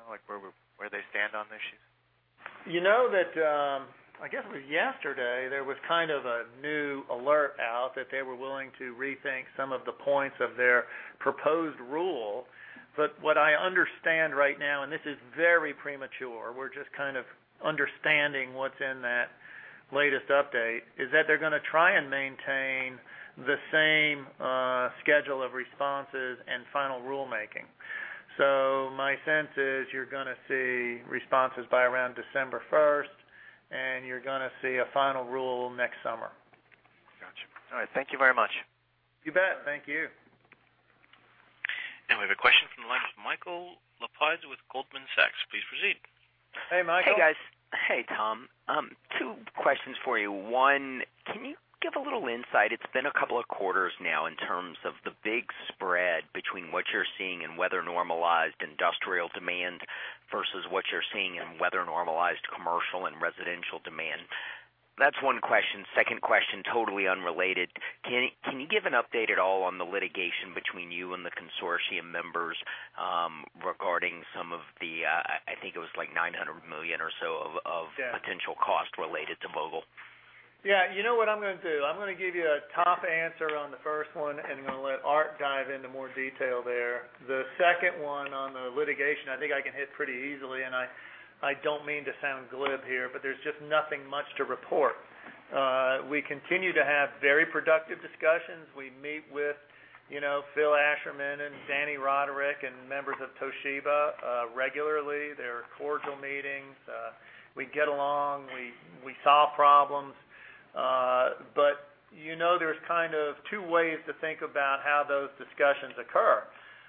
Like where they stand on the issue? You know that, I guess it was yesterday, there was kind of a new alert out that they were willing to rethink some of the points of their proposed rule. What I understand right now, and this is very premature, we're just kind of understanding what's in that latest update, is that they're going to try and maintain the same schedule of responses and final rule-making. My sense is you're going to see responses by around December 1st, and you're going to see a final rule next summer. Got you. All right. Thank you very much. You bet. Thank you. We have a question from the line from Michael Lapides with Goldman Sachs. Please proceed. Hey, Michael. Hey, guys. Hey, Tom. Two questions for you. One, can you give a little insight, it's been a couple of quarters now in terms of the big spread between what you're seeing in weather-normalized industrial demand versus what you're seeing in weather-normalized commercial and residential demand? That's one question. Second question, totally unrelated. Can you give an update at all on the litigation between you and the consortium members regarding some of the, I think it was like $900 million or so of- Yeah potential cost related to Vogtle? Yeah. You know what I'm going to do? I'm going to give you a top answer on the first one, and I'm going to let Art dive into more detail there. The second one on the litigation, I think I can hit pretty easily, and I don't mean to sound glib here, but there's just nothing much to report. We continue to have very productive discussions. We meet with Phil Asherman and Danny Roderick, and members of Toshiba regularly. They're cordial meetings. We get along. We solve problems. There's kind of two ways to think about how those discussions occur.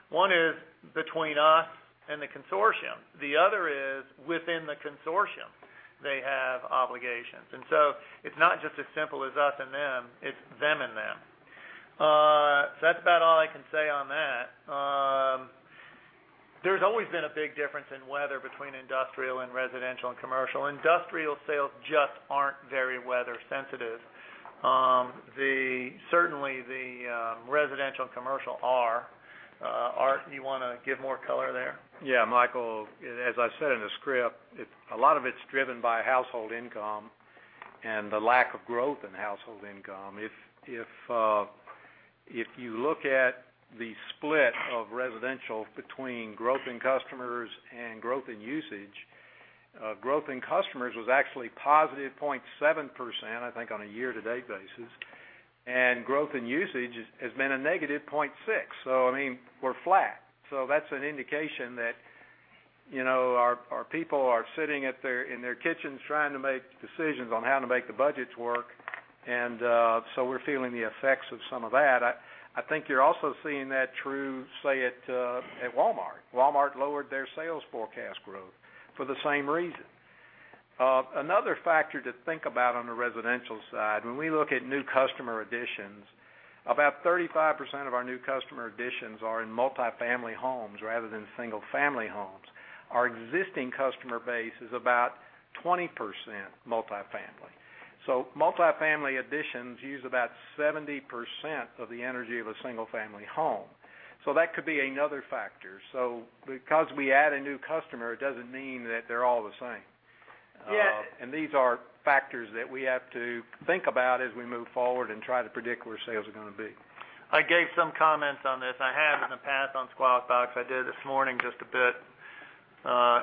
One is between us and the consortium. The other is within the consortium. They have obligations. It's not just as simple as us and them, it's them and them. That's about all I can say on that. There's always been a big difference in weather between industrial and residential and commercial. Industrial sales just aren't very weather sensitive. Certainly, the residential and commercial are. Art, you want to give more color there? Michael, as I said in the script, a lot of it's driven by household income and the lack of growth in household income. If you look at the split of residential between growth in customers and growth in usage, growth in customers was actually positive 0.7%, I think on a year-to-date basis, and growth in usage has been a negative 0.6%. I mean, we're flat. That's an indication that our people are sitting in their kitchens trying to make decisions on how to make the budgets work. We're feeling the effects of some of that. I think you're also seeing that true, say at Walmart. Walmart lowered their sales forecast growth for the same reason. Another factor to think about on the residential side, when we look at new customer additions, about 35% of our new customer additions are in multi-family homes rather than single-family homes. Our existing customer base is about 20% multi-family. Multi-family additions use about 70% of the energy of a single-family home. That could be another factor. Because we add a new customer, it doesn't mean that they're all the same. Yeah. These are factors that we have to think about as we move forward and try to predict where sales are going to be. I gave some comments on this. I have in the past on Squawk Box. I did this morning just a bit,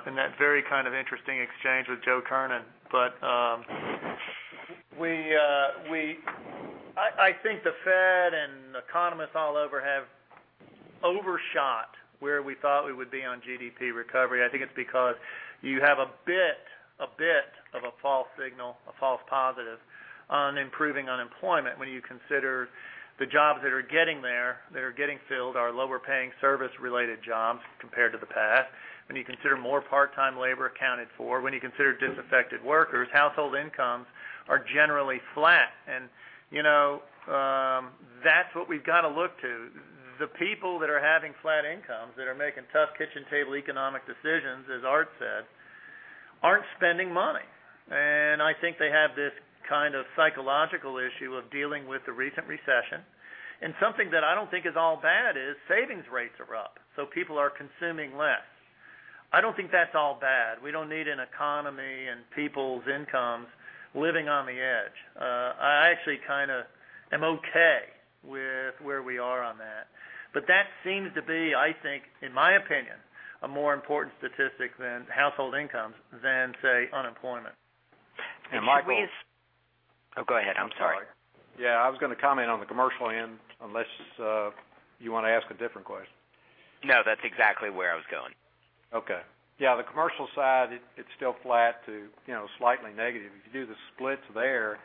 in that very kind of interesting exchange with Joe Kernen. I think the Fed and economists all over have overshot where we thought we would be on GDP recovery. I think it's because you have a bit of a false signal, a false positive on improving unemployment when you consider the jobs that are getting there, that are getting filled are lower-paying service-related jobs compared to the past. When you consider more part-time labor accounted for, when you consider disaffected workers, household incomes are generally flat. That's what we've got to look to. The people that are having flat incomes, that are making tough kitchen table economic decisions, as Art said, aren't spending money. I think they have this kind of psychological issue of dealing with the recent recession. Something that I don't think is all bad is savings rates are up, so people are consuming less. I don't think that's all bad. We don't need an economy and people's incomes living on the edge. I actually kind of am okay with where we are on that. That seems to be, I think, in my opinion, a more important statistic than household incomes than, say, unemployment. Michael- Can we- Oh, go ahead. I'm sorry. I'm sorry. Yeah, I was going to comment on the commercial end, unless you want to ask a different question. No, that's exactly where I was going. Okay. Yeah, the commercial side, it's still flat to slightly negative. If you do the splits there,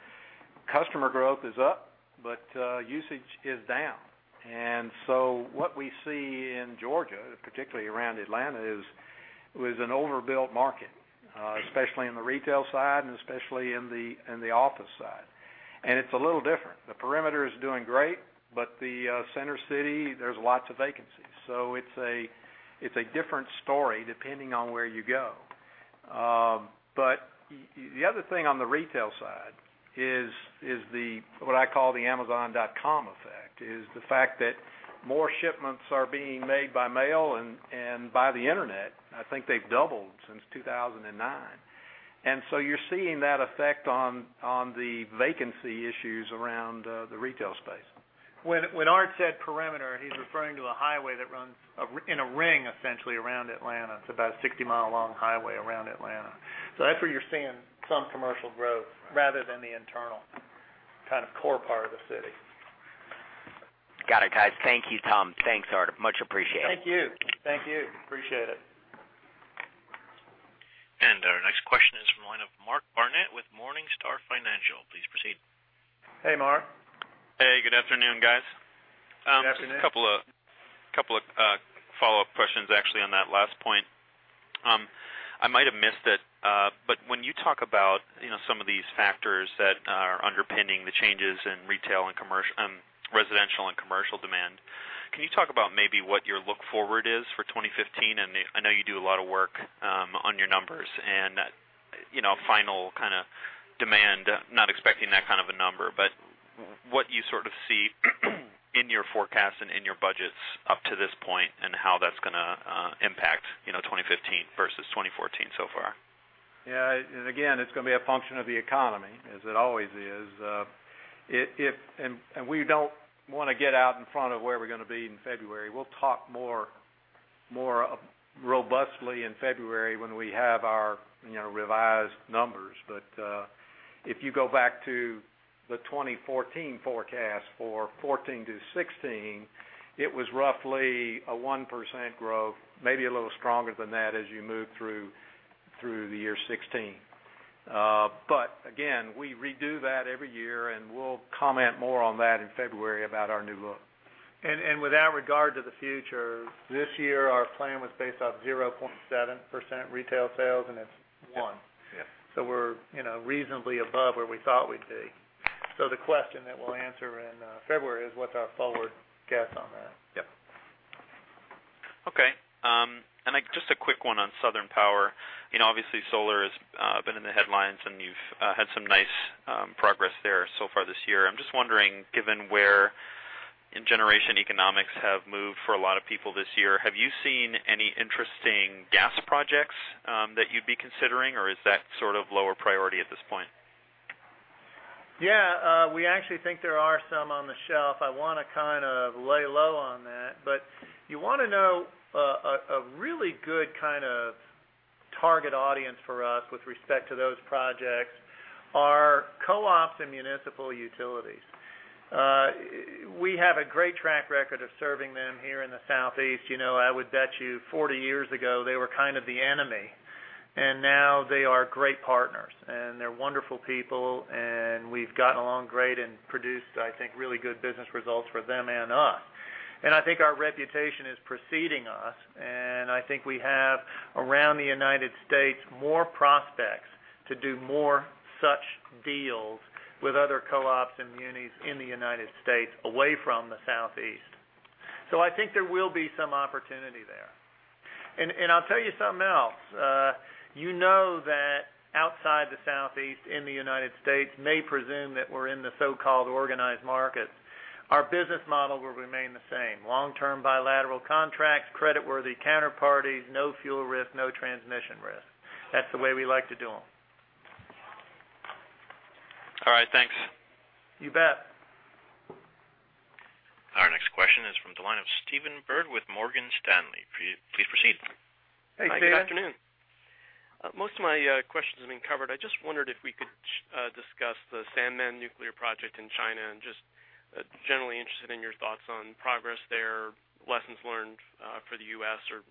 customer growth is up, but usage is down. What we see in Georgia, particularly around Atlanta, is an overbuilt market, especially in the retail side and especially in the office side. It's a little different. The perimeter is doing great, but the center city, there's lots of vacancies. It's a different story depending on where you go. The other thing on the retail side is what I call the Amazon.com effect, is the fact that more shipments are being made by mail and by the internet. I think they've doubled since 2009. You're seeing that effect on the vacancy issues around the retail space. When Art said perimeter, he's referring to a highway that runs in a ring, essentially, around Atlanta. It's about a 60-mile-long highway around Atlanta. That's where you're seeing some commercial growth rather than the internal kind of core part of the city. Got it, guys. Thank you, Tom. Thanks, Art. Much appreciated. Thank you. Appreciate it. Our next question is from the line of Mark Barnett with Morningstar. Please proceed. Hey, Mark. Hey, good afternoon, guys. Good afternoon. A couple of follow-up questions actually on that last point. I might have missed it, but when you talk about some of these factors that are underpinning the changes in residential and commercial demand, can you talk about maybe what your look-forward is for 2015? I know you do a lot of work on your numbers and final kind of demand, not expecting that kind of a number, but what you sort of see in your forecast and in your budgets up to this point and how that's going to impact 2015 versus 2014 so far. Yeah. Again, it's going to be a function of the economy, as it always is. We don't want to get out in front of where we're going to be in February. We'll talk more robustly in February when we have our revised numbers. If you go back to the 2014 forecast for 2014 to 2016, it was roughly a 1% growth, maybe a little stronger than that as you move through the year 2016. Again, we redo that every year, and we'll comment more on that in February about our new look. Without regard to the future, this year our plan was based off 0.7% retail sales, and it's one. Yes. We're reasonably above where we thought we'd be. The question that we'll answer in February is what's our forward guess on that? Yep. Okay. Just a quick one on Southern Power. Obviously, solar has been in the headlines, and you've had some nice progress there so far this year. I'm just wondering, given where generation economics have moved for a lot of people this year, have you seen any interesting gas projects that you'd be considering, or is that sort of lower priority at this point? Yeah. We actually think there are some on the shelf. I want to kind of lay low on that. You want to know a really good kind of target audience for us with respect to those projects are co-ops and municipal utilities. We have a great track record of serving them here in the Southeast. I would bet you 40 years ago, they were kind of the enemy, and now they are great partners, and they're wonderful people, and we've got along great and produced, I think, really good business results for them and us. I think our reputation is preceding us, and I think we have, around the United States, more prospects to do more such deals with other co-ops and munis in the United States away from the Southeast. I think there will be some opportunity there. I'll tell you something else. You know that outside the Southeast in the U.S. may presume that we're in the so-called organized markets. Our business model will remain the same. Long-term bilateral contracts, creditworthy counterparties, no fuel risk, no transmission risk. That's the way we like to do them. All right. Thanks. You bet. Our next question is from the line of Stephen Byrd with Morgan Stanley. Please proceed. Hey, Stephen. Hi. Good afternoon. Most of my questions have been covered. I just wondered if we could discuss the Sanmen nuclear project in China, just generally interested in your thoughts on progress there, lessons learned for the U.S., or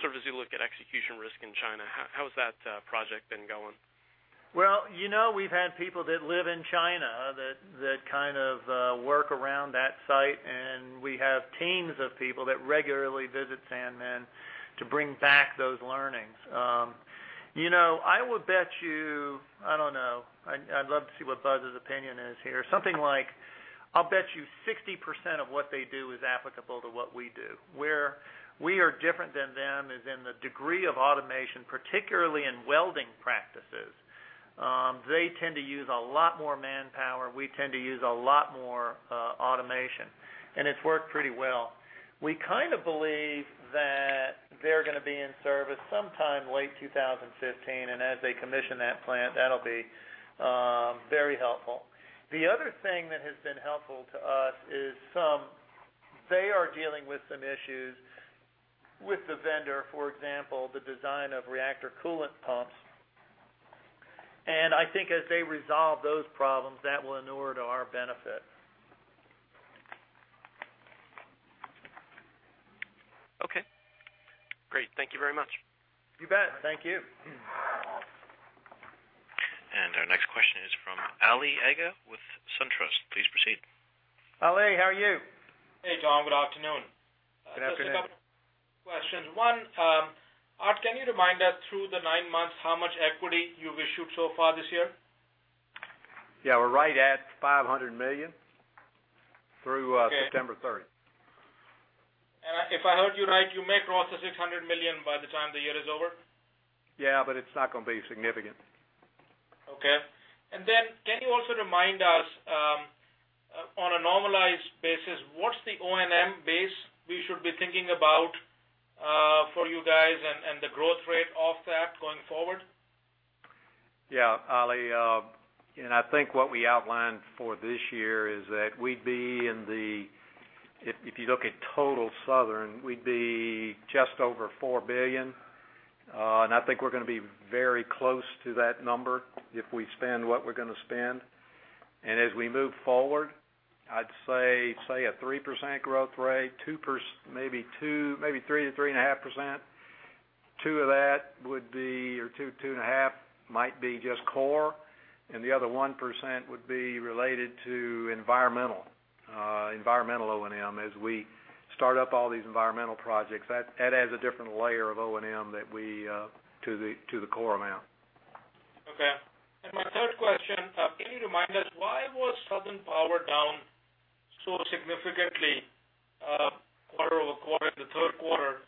sort of as you look at execution risk in China, how has that project been going? Well, we've had people that live in China that kind of work around that site. We have teams of people that regularly visit Sanmen to bring back those learnings. I would bet you, I don't know, I'd love to see what Buzz's opinion is here. Something like, I'll bet you 60% of what they do is applicable to what we do. Where we are different than them is in the degree of automation, particularly in welding practices. They tend to use a lot more manpower. We tend to use a lot more automation, it's worked pretty well. We kind of believe that they're going to be in service sometime late 2015, as they commission that plant, that'll be very helpful. The other thing that has been helpful to us is they are dealing with some issues with the vendor, for example, the design of reactor coolant pumps. I think as they resolve those problems, that will inure to our benefit. Okay, great. Thank you very much. You bet. Thank you. Our next question is from Ali Agha with SunTrust. Please proceed. Ali, how are you? Hey, John. Good afternoon. Good afternoon. Just a couple questions. One, Art, can you remind us through the nine months how much equity you've issued so far this year? Yeah, we're right at $500 million through September 30. If I heard you right, you may cross the $600 million by the time the year is over? Yeah, it's not going to be significant. Okay. Can you also remind us, on a normalized basis, what's the O&M base we should be thinking about for you guys and the growth rate of that going forward? Yeah. Ali, I think what we outlined for this year is that we'd be in the If you look at total Southern, we'd be just over $4 billion. I think we're going to be very close to that number if we spend what we're going to spend. As we move forward, I'd say a 3% growth rate, maybe 3%-3.5%. Two and a half might be just core, and the other 1% would be related to environmental O&M as we start up all these environmental projects. That adds a different layer of O&M to the core amount. Okay. My third question, can you remind us why was Southern Power down so significantly quarter-over-quarter in the third quarter?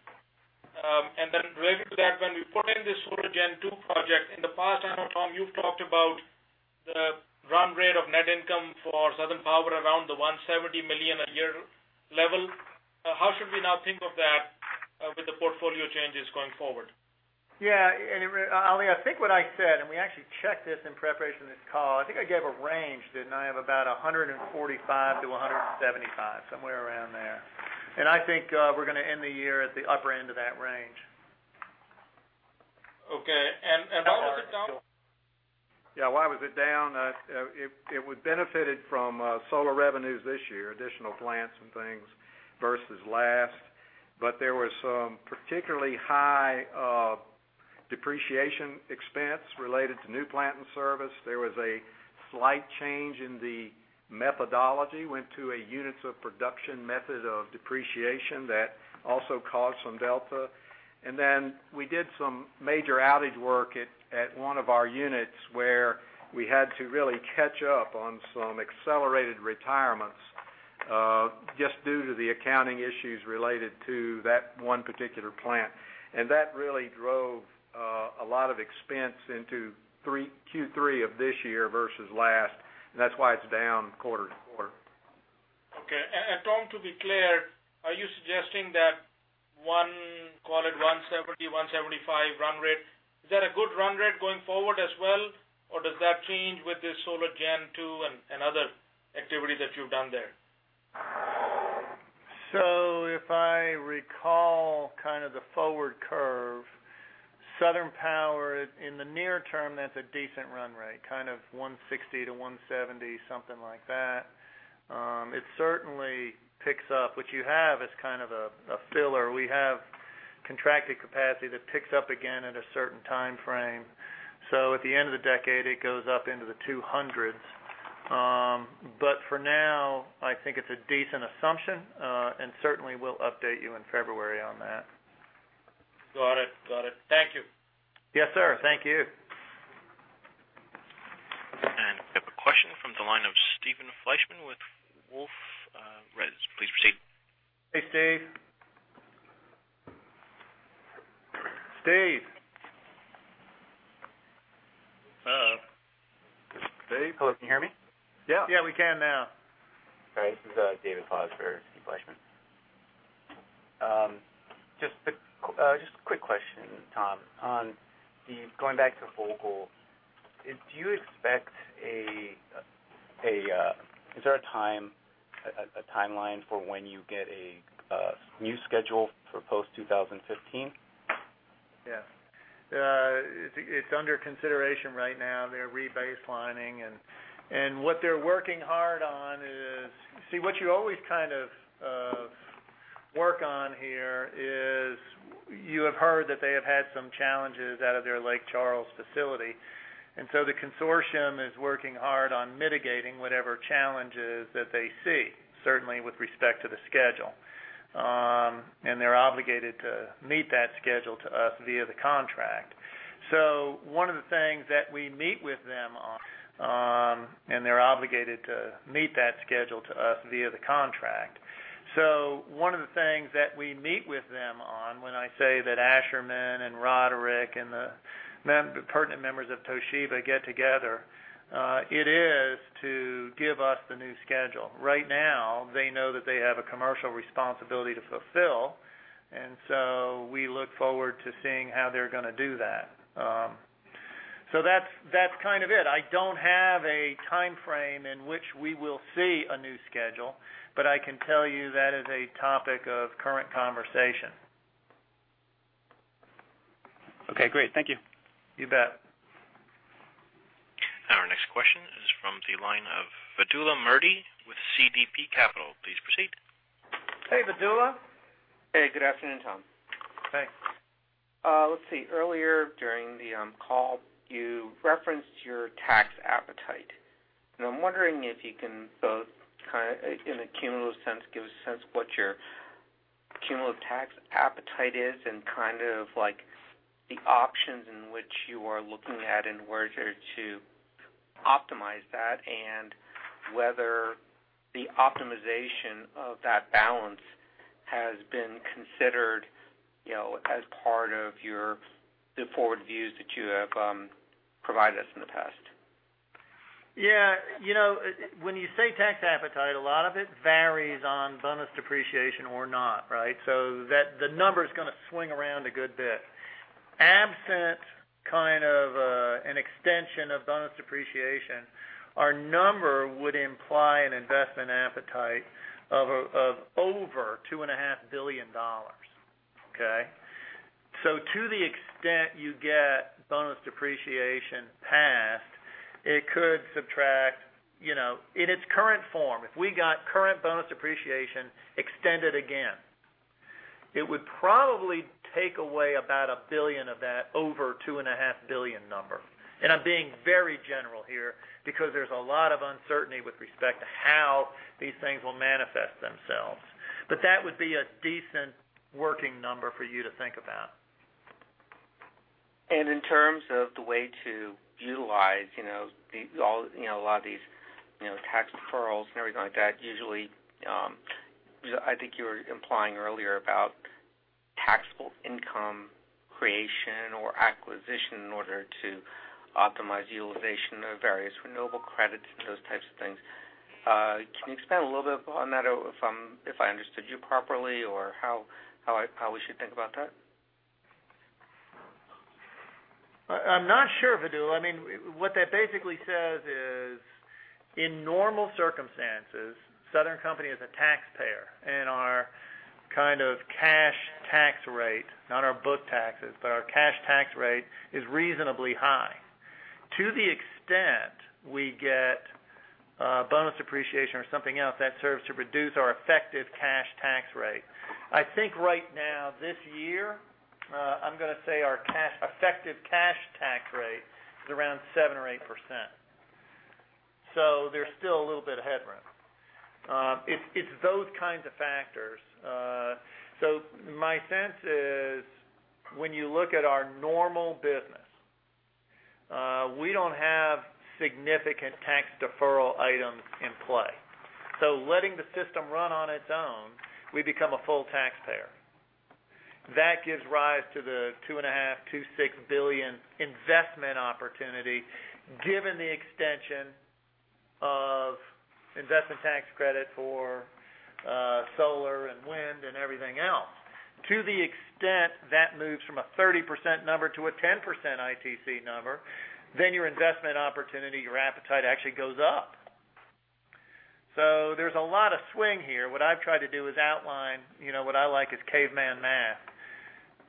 Related to that, when we put in this Solar Gen 2 project, in the past, I know, Tom, you've talked about the run rate of net income for Southern Power around the $170 million a year level. How should we now think of that with the portfolio changes going forward? Yeah. Ali, I think what I said, we actually checked this in preparation of this call. I think I gave a range, didn't I, of about $145-$175, somewhere around there. I think we're going to end the year at the upper end of that range. Okay. Why was it down? Yeah. Why was it down? It would benefited from solar revenues this year, additional plants and things versus last. There was some particularly high depreciation expense related to new plant and service. There was a slight change in the methodology, went to a units of production method of depreciation that also caused some delta. We did some major outage work at one of our units where we had to really catch up on some accelerated retirements just due to the accounting issues related to that one particular plant. That really drove a lot of expense into Q3 of this year versus last. That's why it's down quarter-to-quarter. Okay. Tom, to be clear, are you suggesting that one, call it 170, 175 run rate, is that a good run rate going forward as well? Or does that change with this Solar Gen 2 and other activities that you've done there? If I recall the forward curve, Southern Power in the near term, that's a decent run rate, kind of 160 to 170, something like that. It certainly picks up. What you have is kind of a filler. We have contracted capacity that picks up again at a certain timeframe. At the end of the decade, it goes up into the 200s. For now, I think it's a decent assumption. Certainly we'll update you in February on that. Got it. Thank you. Yes, sir. Thank you. We have a question from the line of Steven Fleishman with Wolfe Research. Please proceed. Hey, Steve. Steve? Hello? Steve? Hello, can you hear me? Yeah. Yeah, we can now. All right. This is David Klaus for Steve Fleishman. Just a quick question, Tom, on the going back to Vogtle. Is there a timeline for when you get a new schedule for post 2015? Yes. It's under consideration right now. They're rebaselining and what they're working hard on is See, what you always kind of work on here is you have heard that they have had some challenges out of their Lake Charles facility, the consortium is working hard on mitigating whatever challenges that they see, certainly with respect to the schedule. They're obligated to meet that schedule to us via the contract. One of the things that we meet with them on when I say that Asherman and Roderick and the pertinent members of Toshiba get together, it is to give us the new schedule. Right now, they know that they have a commercial responsibility to fulfill, we look forward to seeing how they're going to do that. That's kind of it. I don't have a timeframe in which we will see a new schedule, I can tell you that is a topic of current conversation. Okay, great. Thank you. You bet. Our next question is from the line of Vidula Mody with CDP Capital. Please proceed. Hey, Vidula. Hey, good afternoon, Tom. Hey. Let's see. Earlier during the call, you referenced your tax appetite. I'm wondering if you can both, in a cumulative sense, give a sense what your cumulative tax appetite is and kind of like the options in which you are looking at in order to optimize that and whether the optimization of that balance has been considered as part of the forward views that you have provided us in the past. Yeah. When you say tax appetite, a lot of it varies on bonus depreciation or not, right? The number's going to swing around a good bit. Absent kind of an extension of bonus depreciation, our number would imply an investment appetite of over $2.5 billion. Okay? To the extent you get bonus depreciation passed, it could subtract. In its current form, if we got current bonus depreciation extended again, it would probably take away about $1 billion of that over $2.5 billion number. I'm being very general here because there's a lot of uncertainty with respect to how these things will manifest themselves. That would be a decent working number for you to think about. In terms of the way to utilize a lot of these tax deferrals and everything like that, usually, I think you were implying earlier about taxable income creation or acquisition in order to optimize utilization of various renewable credits and those types of things. Can you expand a little bit on that, if I understood you properly, or how we should think about that? I'm not sure, Vidhu. What that basically says is, in normal circumstances, Southern Company is a taxpayer, our kind of cash tax rate, not our book taxes, but our cash tax rate is reasonably high. To the extent we get bonus depreciation or something else that serves to reduce our effective cash tax rate. I think right now this year, I'm going to say our effective cash tax rate is around 7% or 8%. There's still a little bit of headroom. It's those kinds of factors. My sense is when you look at our normal business, we don't have significant tax deferral items in play. Letting the system run on its own, we become a full taxpayer. That gives rise to the $2.5 billion-$2.6 billion investment opportunity given the extension of Investment Tax Credit for solar and wind and everything else. To the extent that moves from a 30% number to a 10% ITC number, your investment opportunity, your appetite actually goes up. There's a lot of swing here. What I've tried to do is outline what I like as caveman math.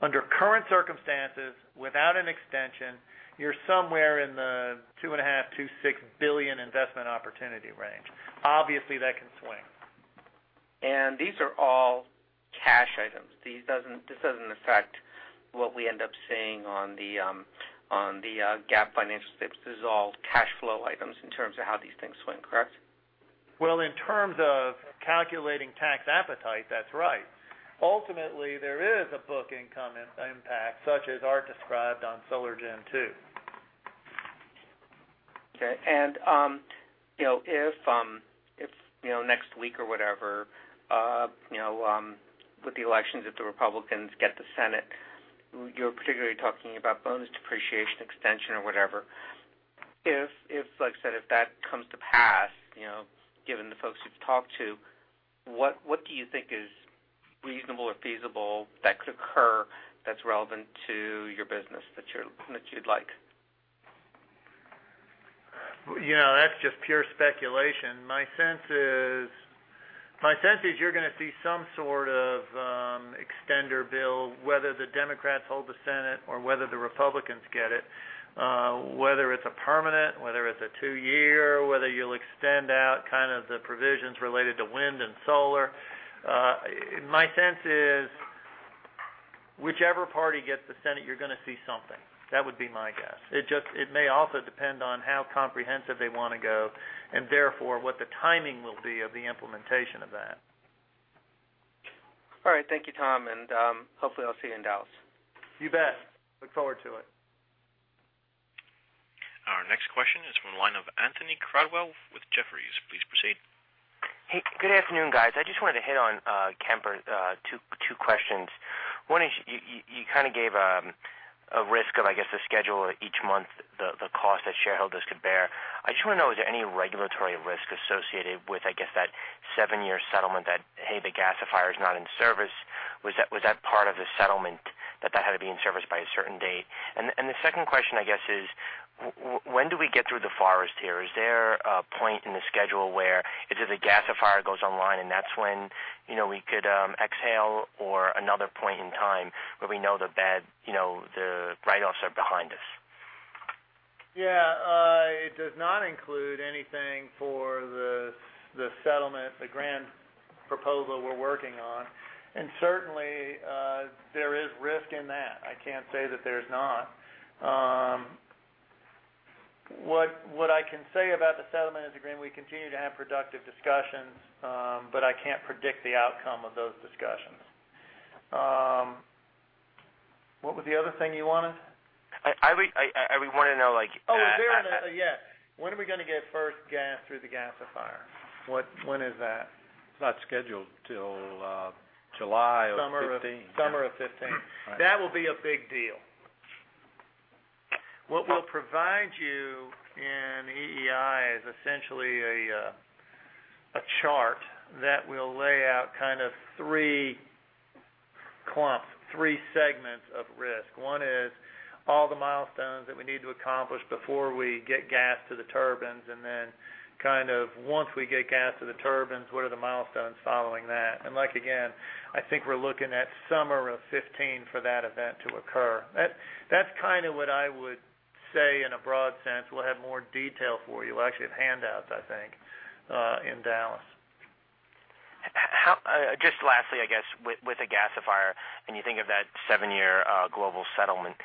Under current circumstances, without an extension, you're somewhere in the $2.5 billion-$2.6 billion investment opportunity range. Obviously, that can swing. These are all cash items. This doesn't affect what we end up seeing on the GAAP financial statements. This is all cash flow items in terms of how these things swing, correct? Well, in terms of calculating tax appetite, that's right. Ultimately, there is a book income impact such as are described on Solar Gen 2. Okay. If next week or whatever, with the elections, if the Republicans get the Senate, you're particularly talking about bonus depreciation extension or whatever. If, like I said, if that comes to pass, given the folks you've talked to, what do you think is reasonable or feasible that could occur that's relevant to your business that you'd like? That's just pure speculation. My sense is you're going to see some sort of extender bill, whether the Democrats hold the Senate or whether the Republicans get it, whether it's a permanent, whether it's a two-year, whether you'll extend out kind of the provisions related to wind and solar. My sense is whichever party gets the Senate, you're going to see something. That would be my guess. It may also depend on how comprehensive they want to go and therefore what the timing will be of the implementation of that. All right. Thank you, Tom. Hopefully I'll see you in Dallas. You bet. Look forward to it. Our next question is from the line of Anthony Crowdell with Jefferies. Please proceed. Hey, good afternoon, guys. I just wanted to hit on Kemper. Two questions. One is, you kind of gave a risk of, I guess, the schedule each month, the cost that shareholders could bear. I just want to know, is there any regulatory risk associated with, I guess, that seven-year settlement that, hey, the gasifier is not in service? Was that part of the settlement that had to be in service by a certain date? The second question, I guess is, when do we get through the forest here? Is there a point in the schedule where if the gasifier goes online and that's when we could exhale or another point in time where we know the write-offs are behind us? Yeah. It does not include anything for the settlement, the grand proposal we're working on. Certainly, there is risk in that. I can't say that there's not. What I can say about the settlement is, again, we continue to have productive discussions, but I can't predict the outcome of those discussions. What was the other thing you wanted? I would want to know like- Oh, yeah. When are we going to get first gas through the gasifier? When is that? It's not scheduled till July of 2015. Summer of 2015. Right. That will be a big deal. What we'll provide you in EEI is essentially a chart that will lay out kind of three clumps, three segments of risk. One is all the milestones that we need to accomplish before we get gas to the turbines. Then kind of once we get gas to the turbines, what are the milestones following that? Like, again, I think we're looking at summer of 2015 for that event to occur. That's kind of what I would say in a broad sense. We'll have more detail for you. We'll actually have handouts, I think, in Dallas. Just lastly, I guess, with a gasifier. You think of that 7-year global settlement.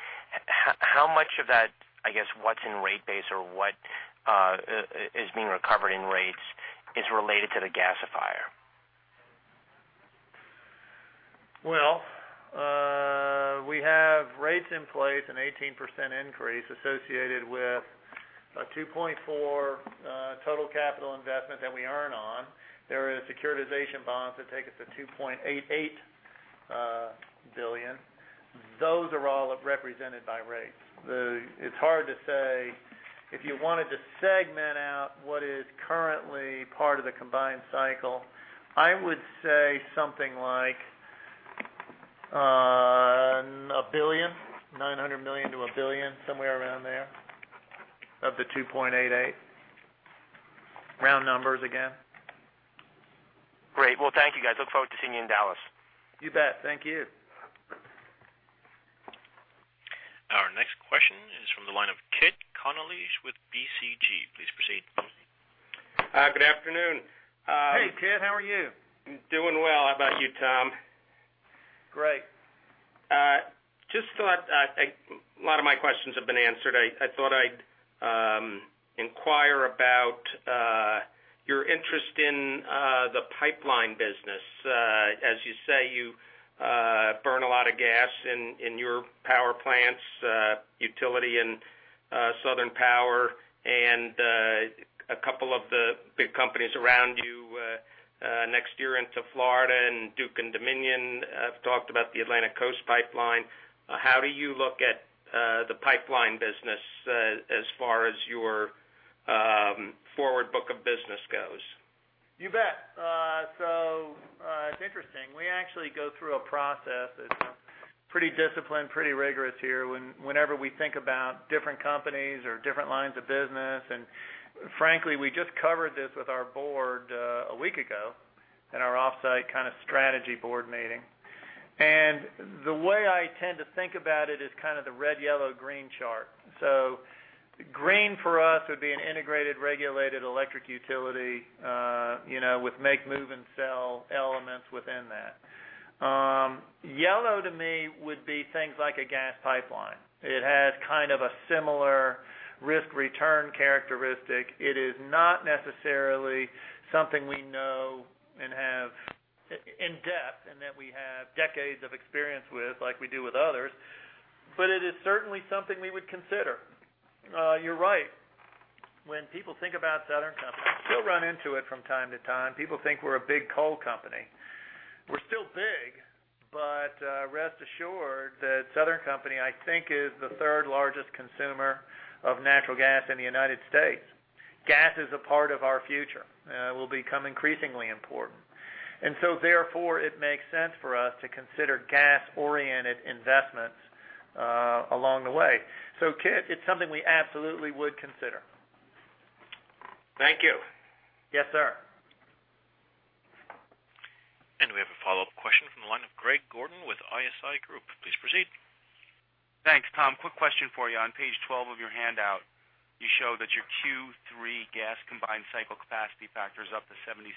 How much of that, I guess, what's in rate base or what is being recovered in rates is related to the gasifier? Well, we have rates in place, an 18% increase associated with a $2.4 total capital investment that we earn on. There are securitization bonds that take us to $2.88 billion. Those are all represented by rates. It's hard to say if you wanted to segment out what is currently part of the combined cycle. I would say something like $1 billion, $900 million-$1 billion, somewhere around there, of the $2.88 billion. Round numbers again. Great. Well, thank you, guys. Look forward to seeing you in Dallas. You bet. Thank you. Our next question is from the line of Kit Konolige with BGC Financial. Please proceed. Good afternoon. Hey, Kit. How are you? I'm doing well. How about you, Tom? Great. Just thought, a lot of my questions have been answered. I thought I'd inquire about your interest in the pipeline business. As you say, you burn a lot of gas in your power plants, utility and Southern Power, and a couple of the big companies around you NextEra into Florida, and Duke and Dominion have talked about the Atlantic Coast Pipeline. How do you look at the pipeline business as far as your forward book of business goes? You bet. It's interesting. We actually go through a process that's pretty disciplined, pretty rigorous here whenever we think about different companies or different lines of business. Frankly, we just covered this with our board a week ago in our off-site strategy board meeting. The way I tend to think about it is kind of the red, yellow, green chart. Green for us would be an integrated regulated electric utility with make, move, and sell elements within that. Yellow to me would be things like a gas pipeline. It has kind of a similar risk-return characteristic. It is not necessarily something we know in-depth and that we have decades of experience with like we do with others. But it is certainly something we would consider. You're right. When people think about Southern Company, we'll run into it from time to time. People think we're a big coal company. We're still big, but rest assured that Southern Company, I think, is the third-largest consumer of natural gas in the U.S. Gas is a part of our future. It will become increasingly important. Therefore, it makes sense for us to consider gas-oriented investments along the way. Kit, it's something we absolutely would consider. Thank you. Yes, sir. We have a follow-up question from the line of Greg Gordon with ISI Group. Please proceed. Thanks, Tom. Quick question for you. On page 12 of your handout, you show that your Q3 gas combined cycle capacity factor is up to 76%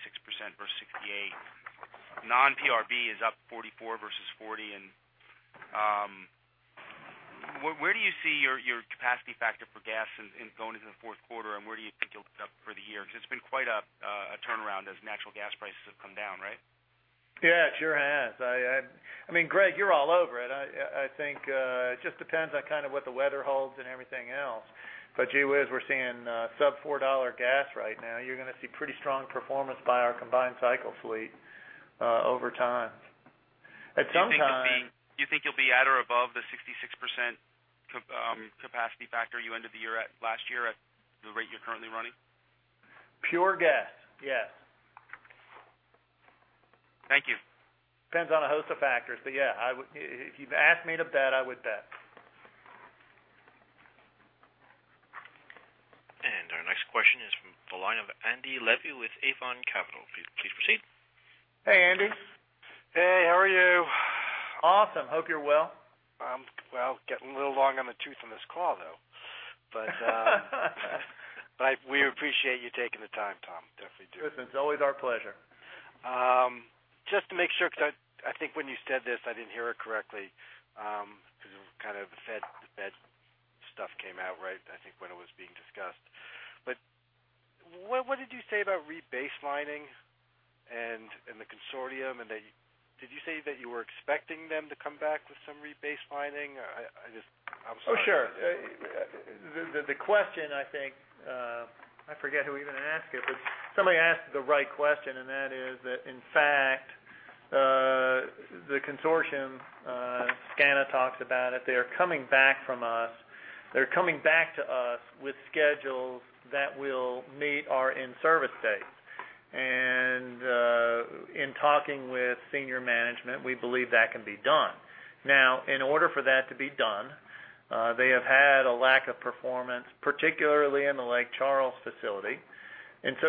versus 68%. Non-PRB is up 44% versus 40%. Where do you see your capacity factor for gas going into the fourth quarter, and where do you think you'll end up for the year? Because it's been quite a turnaround as natural gas prices have come down, right? Yeah, it sure has. I mean, Greg, you're all over it. I think it just depends on kind of what the weather holds and everything else. Gee whiz, we're seeing sub-$4 gas right now. You're going to see pretty strong performance by our combined cycle fleet over time. At some time- Do you think you'll be at or above the 66% capacity factor you ended the year at last year at the rate you're currently running? Pure guess. Yes. Thank you. Depends on a host of factors. Yeah. If you'd asked me to bet, I would bet. Our next question is from the line of Andy Levy with Avon Capital. Please proceed. Hey, Andy. Hey, how are you? Awesome. Hope you're well. I'm well. Getting a little long in the tooth in this call, though. We appreciate you taking the time, Tom. Definitely do. Listen, it's always our pleasure. Just to make sure, because I think when you said this, I didn't hear it correctly, because it was kind of the Fed stuff came out right, I think, when it was being discussed. What did you say about rebaselining and the consortium? Did you say that you were expecting them to come back with some rebaselining? I'm sorry. Oh, sure. The question, I think, I forget who even asked it, somebody asked the right question, and that is that, in fact, the consortium, SCANA talks about it. They're coming back to us with schedules that will meet our in-service dates. In talking with senior management, we believe that can be done. Now, in order for that to be done, they have had a lack of performance, particularly in the Lake Charles facility.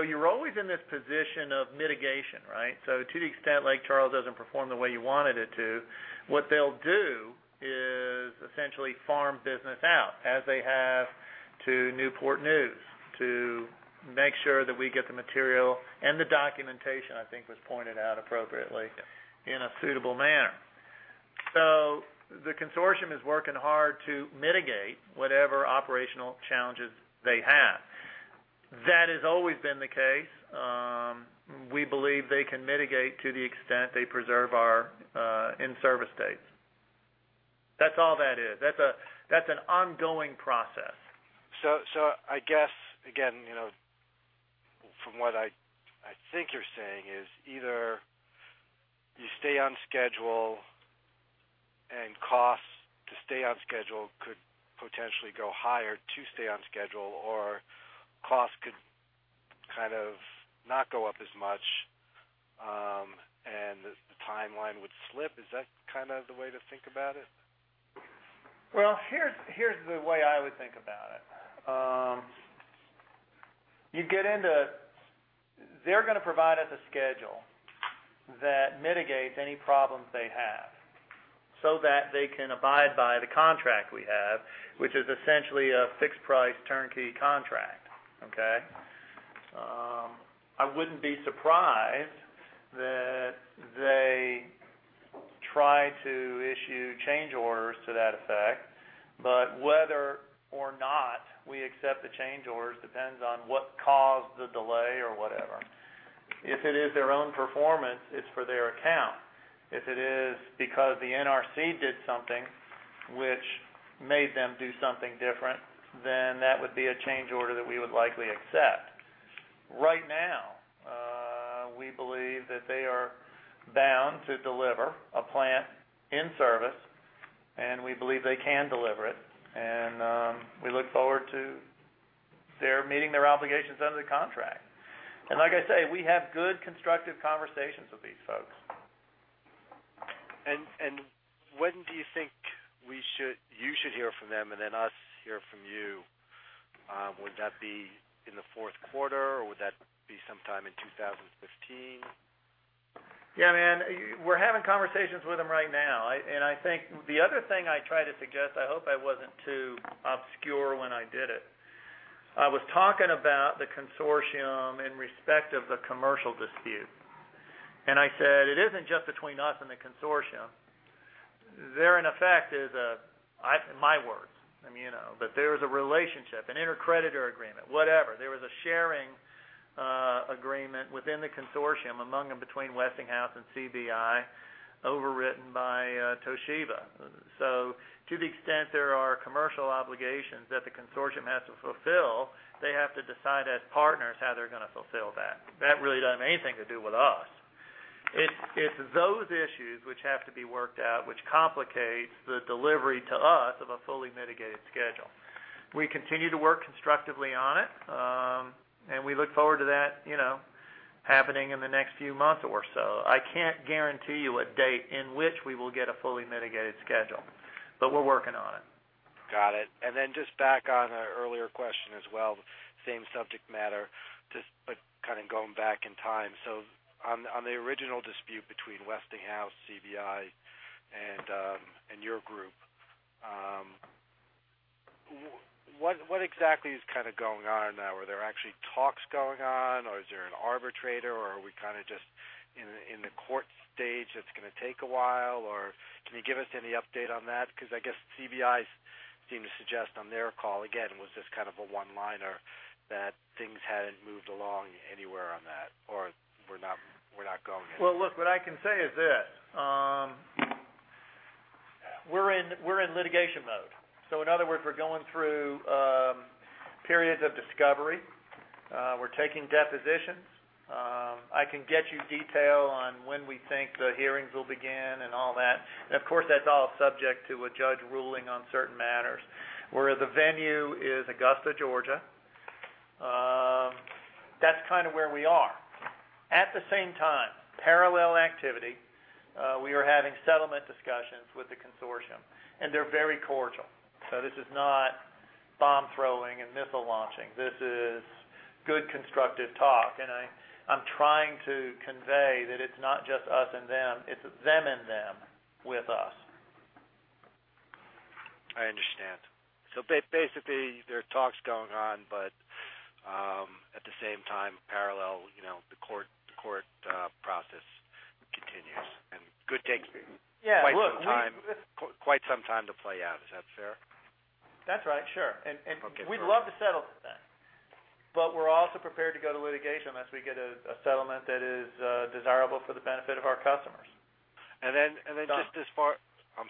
You're always in this position of mitigation, right? To the extent Lake Charles doesn't perform the way you wanted it to, what they'll do is essentially farm business out, as they have to Newport News, to make sure that we get the material, and the documentation, I think was pointed out appropriately. Yeah In a suitable manner. The consortium is working hard to mitigate whatever operational challenges they have. That has always been the case. We believe they can mitigate to the extent they preserve our in-service dates. That's all that is. That's an ongoing process. I guess, again, from what I think you're saying is either you stay on schedule and costs to stay on schedule could potentially go higher to stay on schedule, or costs could kind of not go up as much, and the timeline would slip. Is that kind of the way to think about it? Here's the way I would think about it. They're going to provide us a schedule that mitigates any problems they have so that they can abide by the contract we have, which is essentially a fixed price turnkey contract. Okay? I wouldn't be surprised that they try to issue change orders to that effect, whether or not we accept the change orders depends on what caused the delay or whatever. If it is their own performance, it's for their account. If it is because the NRC did something which made them do something different, that would be a change order that we would likely accept. Right now, we believe that they are bound to deliver a plant in service, and we believe they can deliver it, and we look forward to their meeting their obligations under the contract. Like I say, we have good, constructive conversations with these folks. When do you think you should hear from them, then us hear from you? Would that be in the fourth quarter, or would that be sometime in 2015? Yeah, man, we're having conversations with them right now. I think the other thing I try to suggest, I hope I wasn't too obscure when I did it. I was talking about the consortium in respect of the commercial dispute. I said, "It isn't just between us and the consortium." There in effect is a, my words, but there is a relationship, an inter-creditor agreement, whatever. There was a sharing agreement within the consortium among and between Westinghouse and CBI, overwritten by Toshiba. To the extent there are commercial obligations that the consortium has to fulfill, they have to decide as partners how they're going to fulfill that. That really doesn't have anything to do with us. It's those issues which have to be worked out, which complicates the delivery to us of a fully mitigated schedule. We continue to work constructively on it, and we look forward to that happening in the next few months or so. I can't guarantee you a date in which we will get a fully mitigated schedule, but we're working on it. Got it. Just back on an earlier question as well, same subject matter, just kind of going back in time. On the original dispute between Westinghouse, CBI, and your group, what exactly is kind of going on now? Are there actually talks going on, or is there an arbitrator, or are we kind of just in the court stage that's going to take a while, or can you give us any update on that? Because I guess CBI seemed to suggest on their call, again, it was just kind of a one-liner, that things hadn't moved along anywhere on that, or we're not going anywhere. Well, look, what I can say is this. We're in litigation mode. In other words, we're going through periods of discovery. We're taking depositions. I can get you detail on when we think the hearings will begin and all that, and of course, that's all subject to a judge ruling on certain matters. Where the venue is Augusta, Georgia. That's kind of where we are. At the same time, parallel activity, we are having settlement discussions with the consortium, and they're very cordial. This is not bomb-throwing and missile-launching. This is good, constructive talk. I'm trying to convey that it's not just us and them, it's them and them with us. I understand. Basically, there are talks going on, at the same time, parallel, the court process. Good take. Yeah. Quite some time to play out. Is that fair? That's right, sure. Okay. We'd love to settle this thing, but we're also prepared to go to litigation unless we get a settlement that is desirable for the benefit of our customers. I'm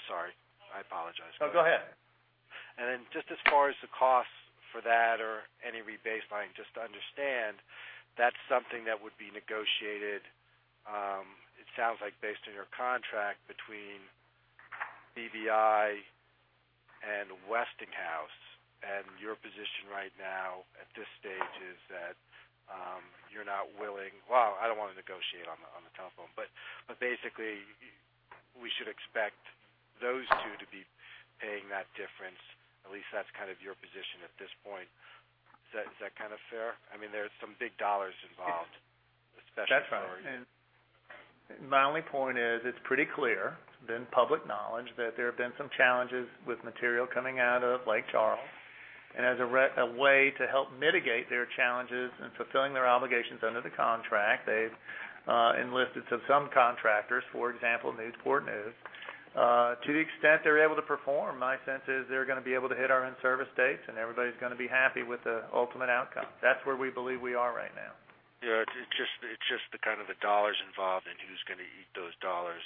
sorry. I apologize. No, go ahead. Just as far as the cost for that or any rebase line, just to understand, that's something that would be negotiated, it sounds like based on your contract between CBI and Westinghouse. Your position right now at this stage is that, well, I don't want to negotiate on the telephone. Basically, we should expect those two to be paying that difference. At least that's kind of your position at this point. Is that kind of fair? There's some big dollars involved, especially for- That's right. My only point is, it's pretty clear, it's been public knowledge, that there have been some challenges with material coming out of Lake Charles. As a way to help mitigate their challenges in fulfilling their obligations under the contract, they've enlisted some contractors, for example, Newport News. To the extent they're able to perform, my sense is they're going to be able to hit our in-service dates, and everybody's going to be happy with the ultimate outcome. That's where we believe we are right now. Yeah. It's just the kind of the dollars involved and who's going to eat those dollars.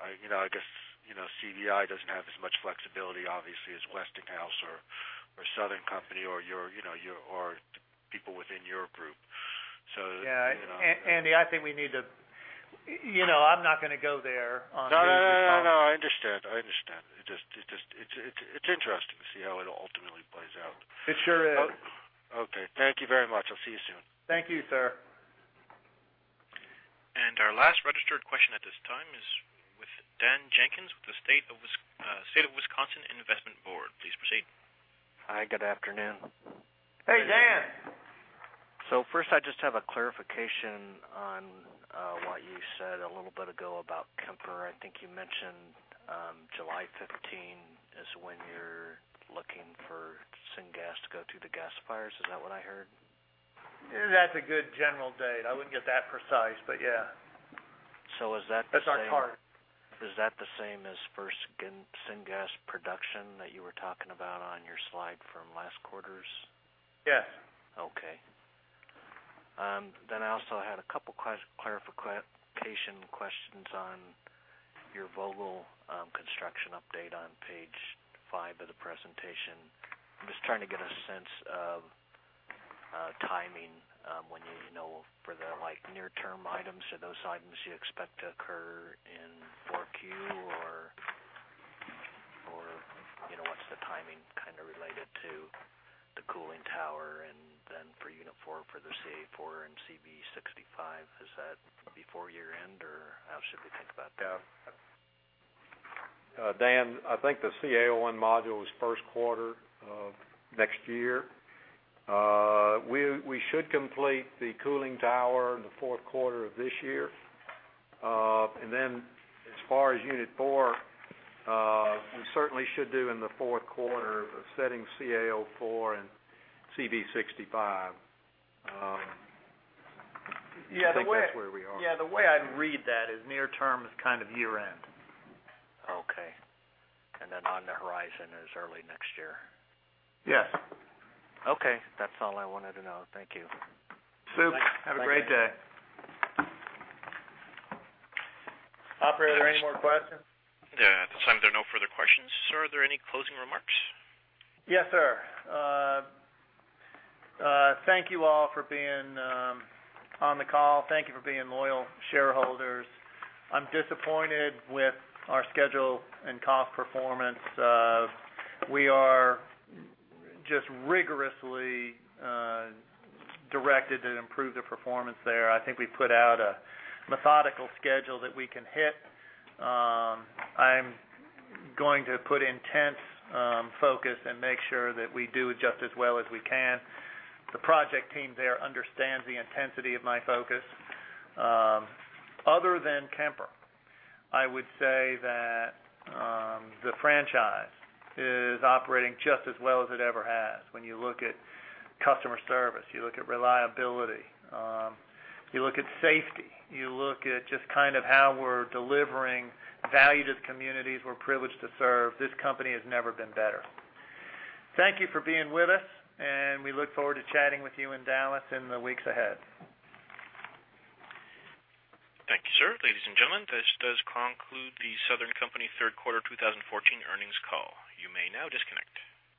I guess CBI doesn't have as much flexibility, obviously, as Westinghouse or Southern Company or people within your group. So- Yeah. Andy, I'm not going to go there on- No, I understand. It is interesting to see how it ultimately plays out. It sure is. Okay. Thank you very much. I will see you soon. Thank you, sir. Our last registered question at this time is with Dan Jenkins with the State of Wisconsin Investment Board. Please proceed. Hi, good afternoon. Hey, Dan. First, I just have a clarification on what you said a little bit ago about Kemper. I think you mentioned July 15 as when you're looking for syngas to go through the gasifiers. Is that what I heard? That's a good general date. I wouldn't get that precise, but yeah. Is that the same- That's our target Is that the same as for syngas production that you were talking about on your slide from last quarters? Yes. Okay. I also had a couple clarification questions on your Vogtle construction update on page five of the presentation. I'm just trying to get a sense of timing, when you know for the near-term items. Are those items you expect to occur in 4Q or what's the timing kind of related to the cooling tower and then for unit four for the CA-04 and CB-65? Is that before year-end or how should we think about that? Dan, I think the CA-01 module is first quarter of next year. We should complete the cooling tower in the fourth quarter of this year. As far as unit four, we certainly should do in the fourth quarter of setting CA-04 and CB-65. Yeah. I think that's where we are. Yeah, the way I'd read that is near term is kind of year-end. Okay. On the horizon is early next year. Yes. Okay. That's all I wanted to know. Thank you. Sup. Have a great day. Operator, are there any more questions? At this time, there are no further questions. Sir, are there any closing remarks? Yes, sir. Thank you all for being on the call. Thank you for being loyal shareholders. I'm disappointed with our schedule and cost performance. We are just rigorously directed to improve the performance there. I think we put out a methodical schedule that we can hit. I'm going to put intense focus and make sure that we do just as well as we can. The project team there understands the intensity of my focus. Other than Kemper, I would say that the franchise is operating just as well as it ever has. When you look at customer service, you look at reliability, you look at safety, you look at just kind of how we're delivering value to the communities we're privileged to serve. This company has never been better. Thank you for being with us, and we look forward to chatting with you in Dallas in the weeks ahead. Thank you, sir. Ladies and gentlemen, this does conclude the Southern Company third quarter 2014 earnings call. You may now disconnect.